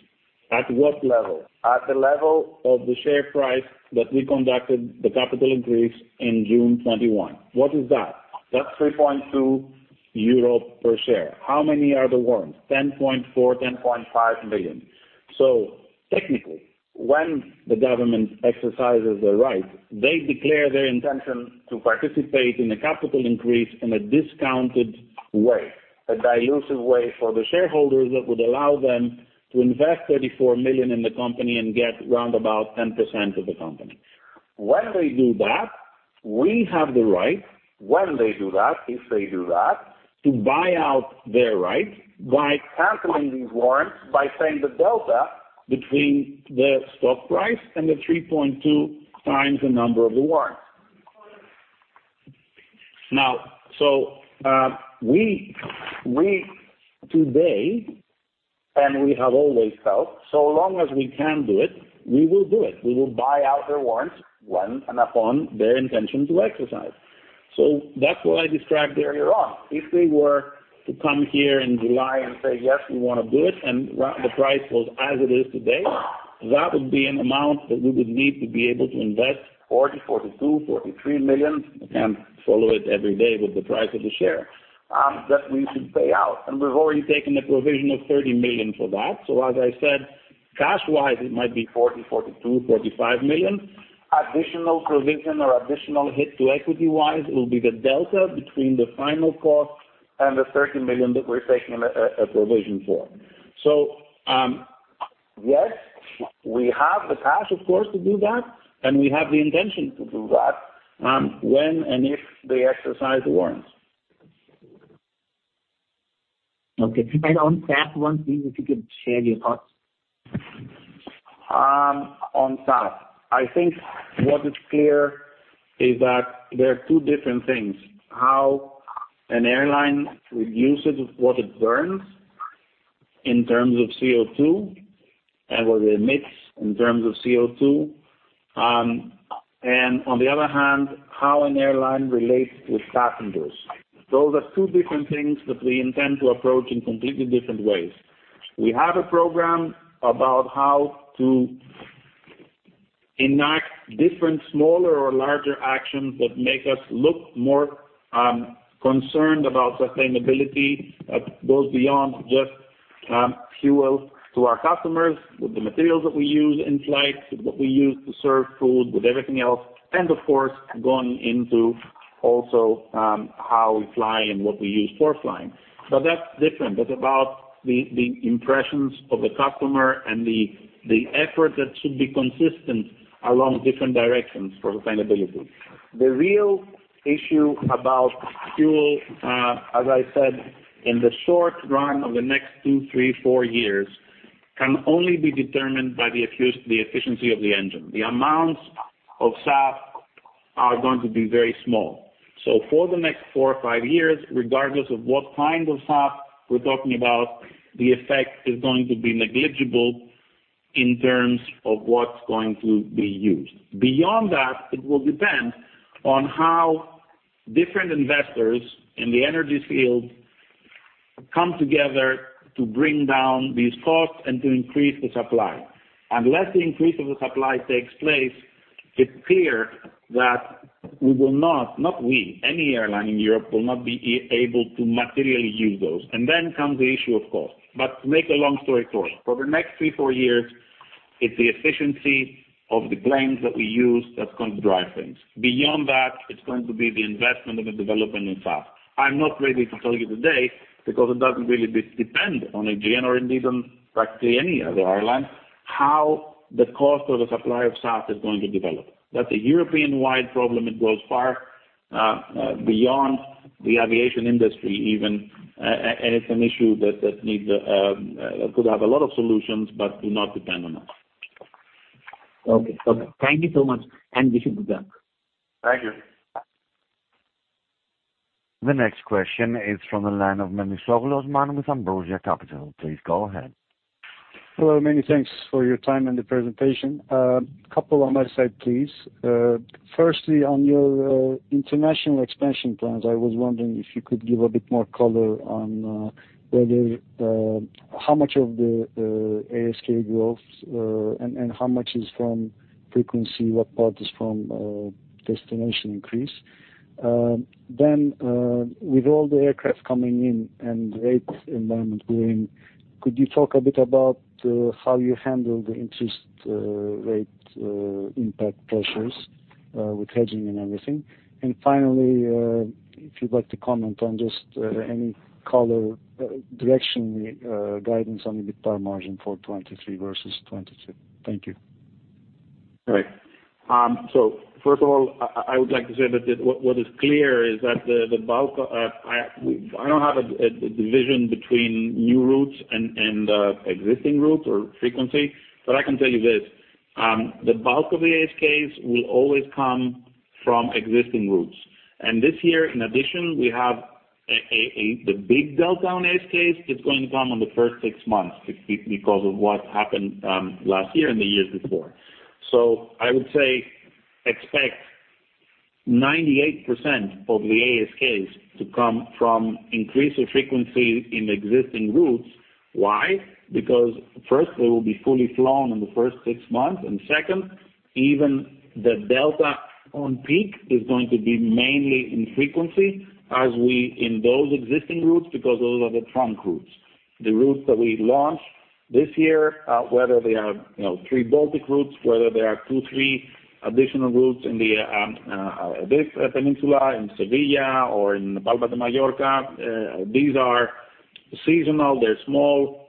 At what level? At the level of the share price that we conducted the capital increase in June 2021. What is that? That's 3.2 euro per share. How many are the warrants? 10.4 million, 10.5 million. Technically, when the government exercises their right, they declare their intention to participate in a capital increase in a discounted way, a dilutive way for the shareholders that would allow them to invest 34 million in the company and get round about 10% of the company. When they do that, we have the right, when they do that, if they do that, to buy out their rights by canceling these warrants by paying the Delta between their stock price and the 3.2 times the number of the warrants. Now, we today, and we have always felt, so long as we can do it, we will do it. We will buy out their warrants when and upon their intention to exercise. That's what I described earlier on. If they were to come here in July and say, "Yes, we want to do it," and the price was as it is today, that would be an amount that we would need to be able to invest 40 million, 42 million, 43 million. I can't follow it every day with the price of the share, that we should pay out. We've already taken a provision of 30 million for that. As I said, cash-wise, it might be 40 million, 42 million, 45 million. Additional provision or additional hit to equity-wise will be the delta between the final cost and the 30 million that we're taking a provision for. Yes, we have the cash of course to do that, and we have the intention to do that when and if they exercise the warrants. Okay. On SAF, one thing, if you could share your thoughts? On SAF. I think what is clear is that there are two different things. How an airline reduces what it burns in terms of CO2 and what it emits in terms of CO2, and on the other hand, how an airline relates with passengers. Those are two different things that we intend to approach in completely different ways. We have a program about how to enact different, smaller or larger actions that make us look more concerned about sustainability that goes beyond just fuel to our customers, with the materials that we use in flight, with what we use to serve food, with everything else, and of course, going into also how we fly and what we use for flying. That's different. That's about the impressions of the customer and the effort that should be consistent along different directions for sustainability. The real issue about fuel, as I said, in the short run of the next two, three, four years, can only be determined by the efficiency of the engine. The amounts of SAF are going to be very small. For the next four or five years, regardless of what kind of SAF we're talking about, the effect is going to be negligible in terms of what's going to be used. Beyond that, it will depend on how different investors in the energy field come together to bring down these costs and to increase the supply. Unless the increase of the supply takes place, it's clear that we will not we, any airline in Europe will not be able to materially use those. Then comes the issue of cost. To make a long story short, for the next three, four years, it's the efficiency of the planes that we use that's going to drive things. Beyond that, it's going to be the investment and the development in SAF. I'm not ready to tell you today because it doesn't really depend on Aegean or indeed on practically any other airline, how the cost of the supply of SAF is going to develop. That's a European-wide problem. It goes far beyond the aviation industry even, and it's an issue that needs could have a lot of solutions but do not depend on us. Okay. Thank you so much. We should be done. Thank you. The next question is from the line of Memisoglu Osman with Ambrosia Capital. Please go ahead. Hello, many thanks for your time and the presentation. Couple on my side, please. Firstly, on your international expansion plans, I was wondering if you could give a bit more color on whether how much of the ASK growth and how much is from frequency, what part is from destination increase? Then with all the aircraft coming in and rates environment growing, could you talk a bit about how you handle the interest rate impact pressures with hedging and everything? Finally, if you'd like to comment on just any color direction guidance on EBITDA margin for 2023 versus 2022? Thank you. Right. First of all, I would like to say that what is clear is that the bulk, I don't have a division between new routes and existing routes or frequency. I can tell you this, the bulk of the ASKs will always come from existing routes. This year, in addition, we have a big delta on ASKs is going to come on the first six months because of what happened last year and the years before. I would say expect 98% of the ASKs to come from increase of frequency in existing routes. Why? Because first, they will be fully flown in the first six months, and second, even the delta on peak is going to be mainly in frequency as we indulge existing routes because those are the trunk routes. The routes that we launch this year, whether they are, you know, three Baltic routes, whether there are two, three additional routes in this peninsula, in Sevilla or in Palma de Mallorca, these are seasonal, they're small.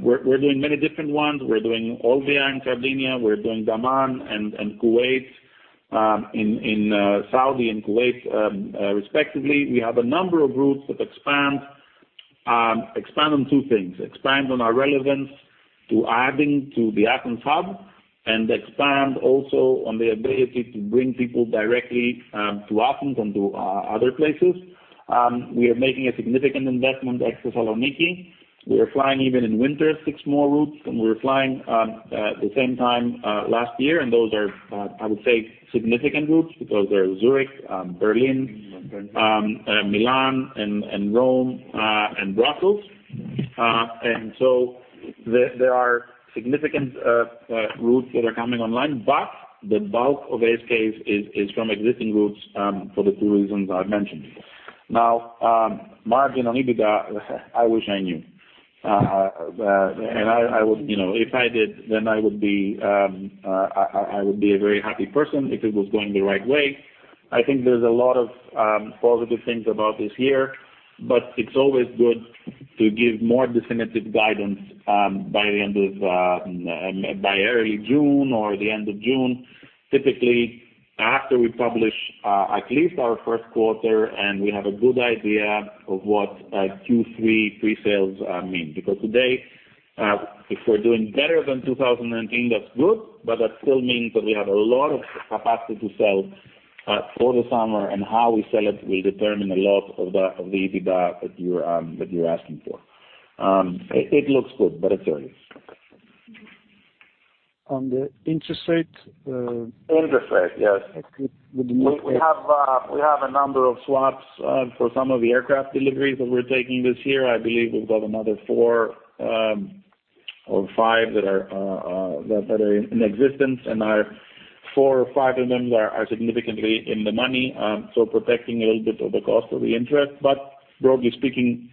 We're doing many different ones. We're doing Olbia and Sardinia. We're doing Dammam and Kuwait, in Saudi and Kuwait, respectively. We have a number of routes that expand on two things, expand on our relevance to adding to the Athens hub, and expand also on the ability to bring people directly to Athens and to other places. We are making a significant investment at Thessaloniki. We are flying even in winter six more routes than we were flying the same time last year. Those are, I would say, significant routes because they're Zürich, Berlin, Milan and Rome, and Brussels. There are significant routes that are coming online, but the bulk of ASKs is from existing routes for the two reasons I've mentioned. Now, margin on EBITDA, I wish I knew. I would, you know. If I did, then I would be a very happy person if it was going the right way. I think there's a lot of positive things about this year, but it's always good to give more definitive guidance by the end of by early June or the end of June, typically after we publish at least our first quarter, and we have a good idea of what Q3 pre-sales mean. Today, if we're doing better than 2019, that's good, but that still means that we have a lot of capacity to sell for the summer, and how we sell it will determine a lot of the of the EBITDA that you're asking for. It looks good, but it's early. On the interest rate. Interest rate, yes. It would be. We have a number of swaps for some of the aircraft deliveries that we're taking this year. I believe we've got another four or five that are in existence, and four or five of them are significantly in the money, so protecting a little bit of the cost of the interest. Broadly speaking,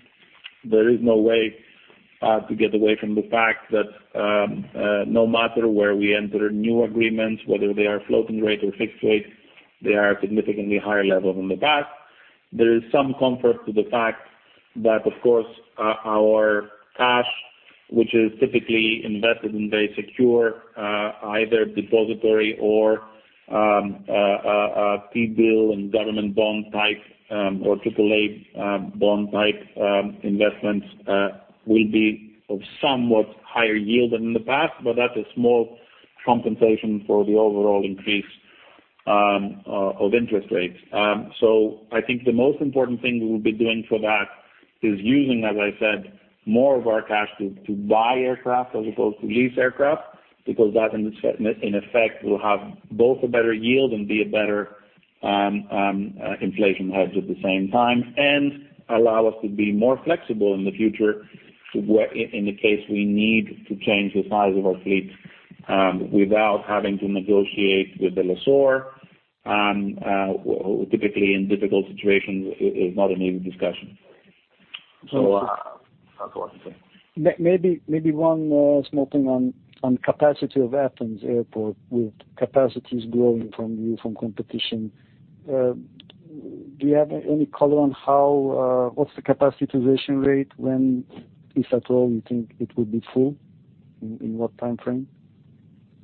there is no way to get away from the fact that no matter where we enter new agreements, whether they are floating rate or fixed rate, they are significantly higher level than the past. There is some comfort to the fact that, of course, our cash, which is typically invested in very secure, either depository or, a T-bill and government bond type, or AAA, bond type, investments, will be of somewhat higher yield than in the past, but that is more compensation for the overall increase of interest rates. I think the most important thing we will be doing for that is using, as I said, more of our cash to buy aircraft as opposed to lease aircraft, because that in this, in effect, will have both a better yield and be a better inflation hedge at the same time and allow us to be more flexible in the future to where in the case we need to change the size of our fleet, without having to negotiate with the lessor, which typically in difficult situations is not an easy discussion. That's what I'm saying. Maybe one small thing on capacity of Athens Airport. With capacities growing from competition, do you have any color on how what's the capacity utilization rate? When, if at all, you think it would be full, in what time frame?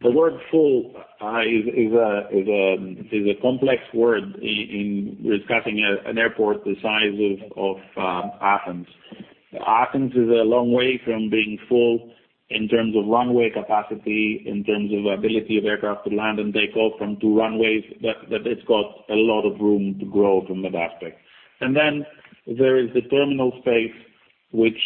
The word full is a complex word in discussing an airport the size of Athens. Athens is a long way from being full in terms of runway capacity, in terms of ability of aircraft to land and take off from two runways. That it's got a lot of room to grow from that aspect. Then there is the terminal space which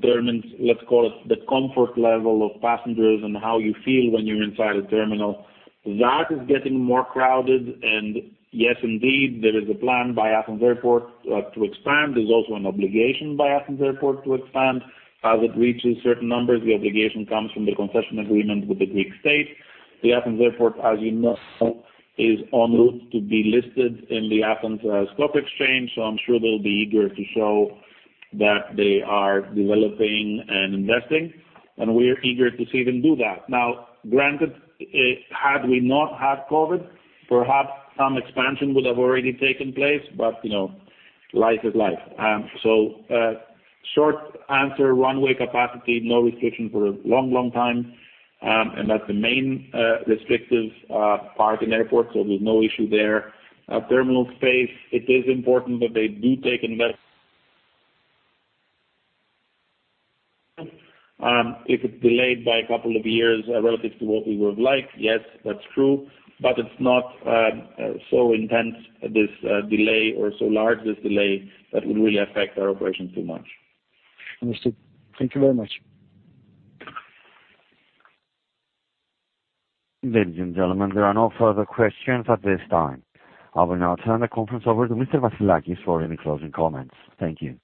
determines, let's call it the comfort level of passengers and how you feel when you're inside a terminal. That is getting more crowded and yes, indeed, there is a plan by Athens Airport to expand. There's also an obligation by Athens Airport to expand as it reaches certain numbers. The obligation comes from the concession agreement with the Greek state. The Athens Airport, as you know, is en route to be listed in the Athens Stock Exchange, so I'm sure they'll be eager to show that they are developing and investing, and we are eager to see them do that. Granted, had we not had COVID, perhaps some expansion would have already taken place, but you know, life is life. Short answer, runway capacity, no restriction for a long, long time. That's the main restrictive part in airport so there's no issue there. Terminal space, it is important that they do take invest. If it's delayed by a couple of years relative to what we would like, yes, that's true. It's not so intense this delay or so large this delay that would really affect our operation too much. Understood. Thank you very much. Ladies and gentlemen, there are no further questions at this time. I will now turn the conference over to Mr. Vassilakis for any closing comments. Thank you.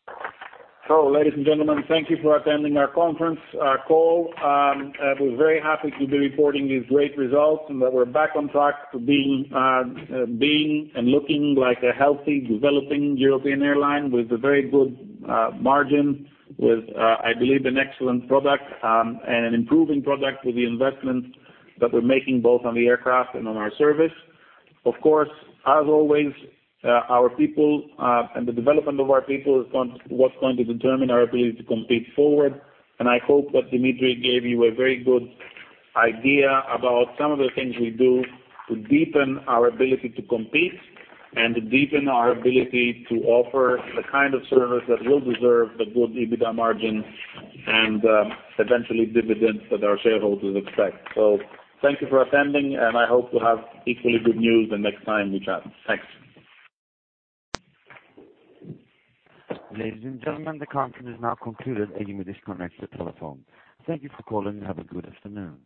Ladies and gentlemen, thank you for attending our conference call. I was very happy to be reporting these great results and that we're back on track to being and looking like a healthy, developing European airline with a very good margin, with I believe an excellent product, and an improving product with the investments that we're making both on the aircraft and on our service. Of course, as always, our people and the development of our people what's going to determine our ability to compete forward. I hope that Dimitris gave you a very good idea about some of the things we do to deepen our ability to compete and to deepen our ability to offer the kind of service that will deserve the good EBITDA margin and eventually dividends that our shareholders expect. Thank you for attending, and I hope to have equally good news the next time we chat. Thanks. Ladies and gentlemen, the conference is now concluded. You may disconnect your telephone. Thank you for calling and have a good afternoon.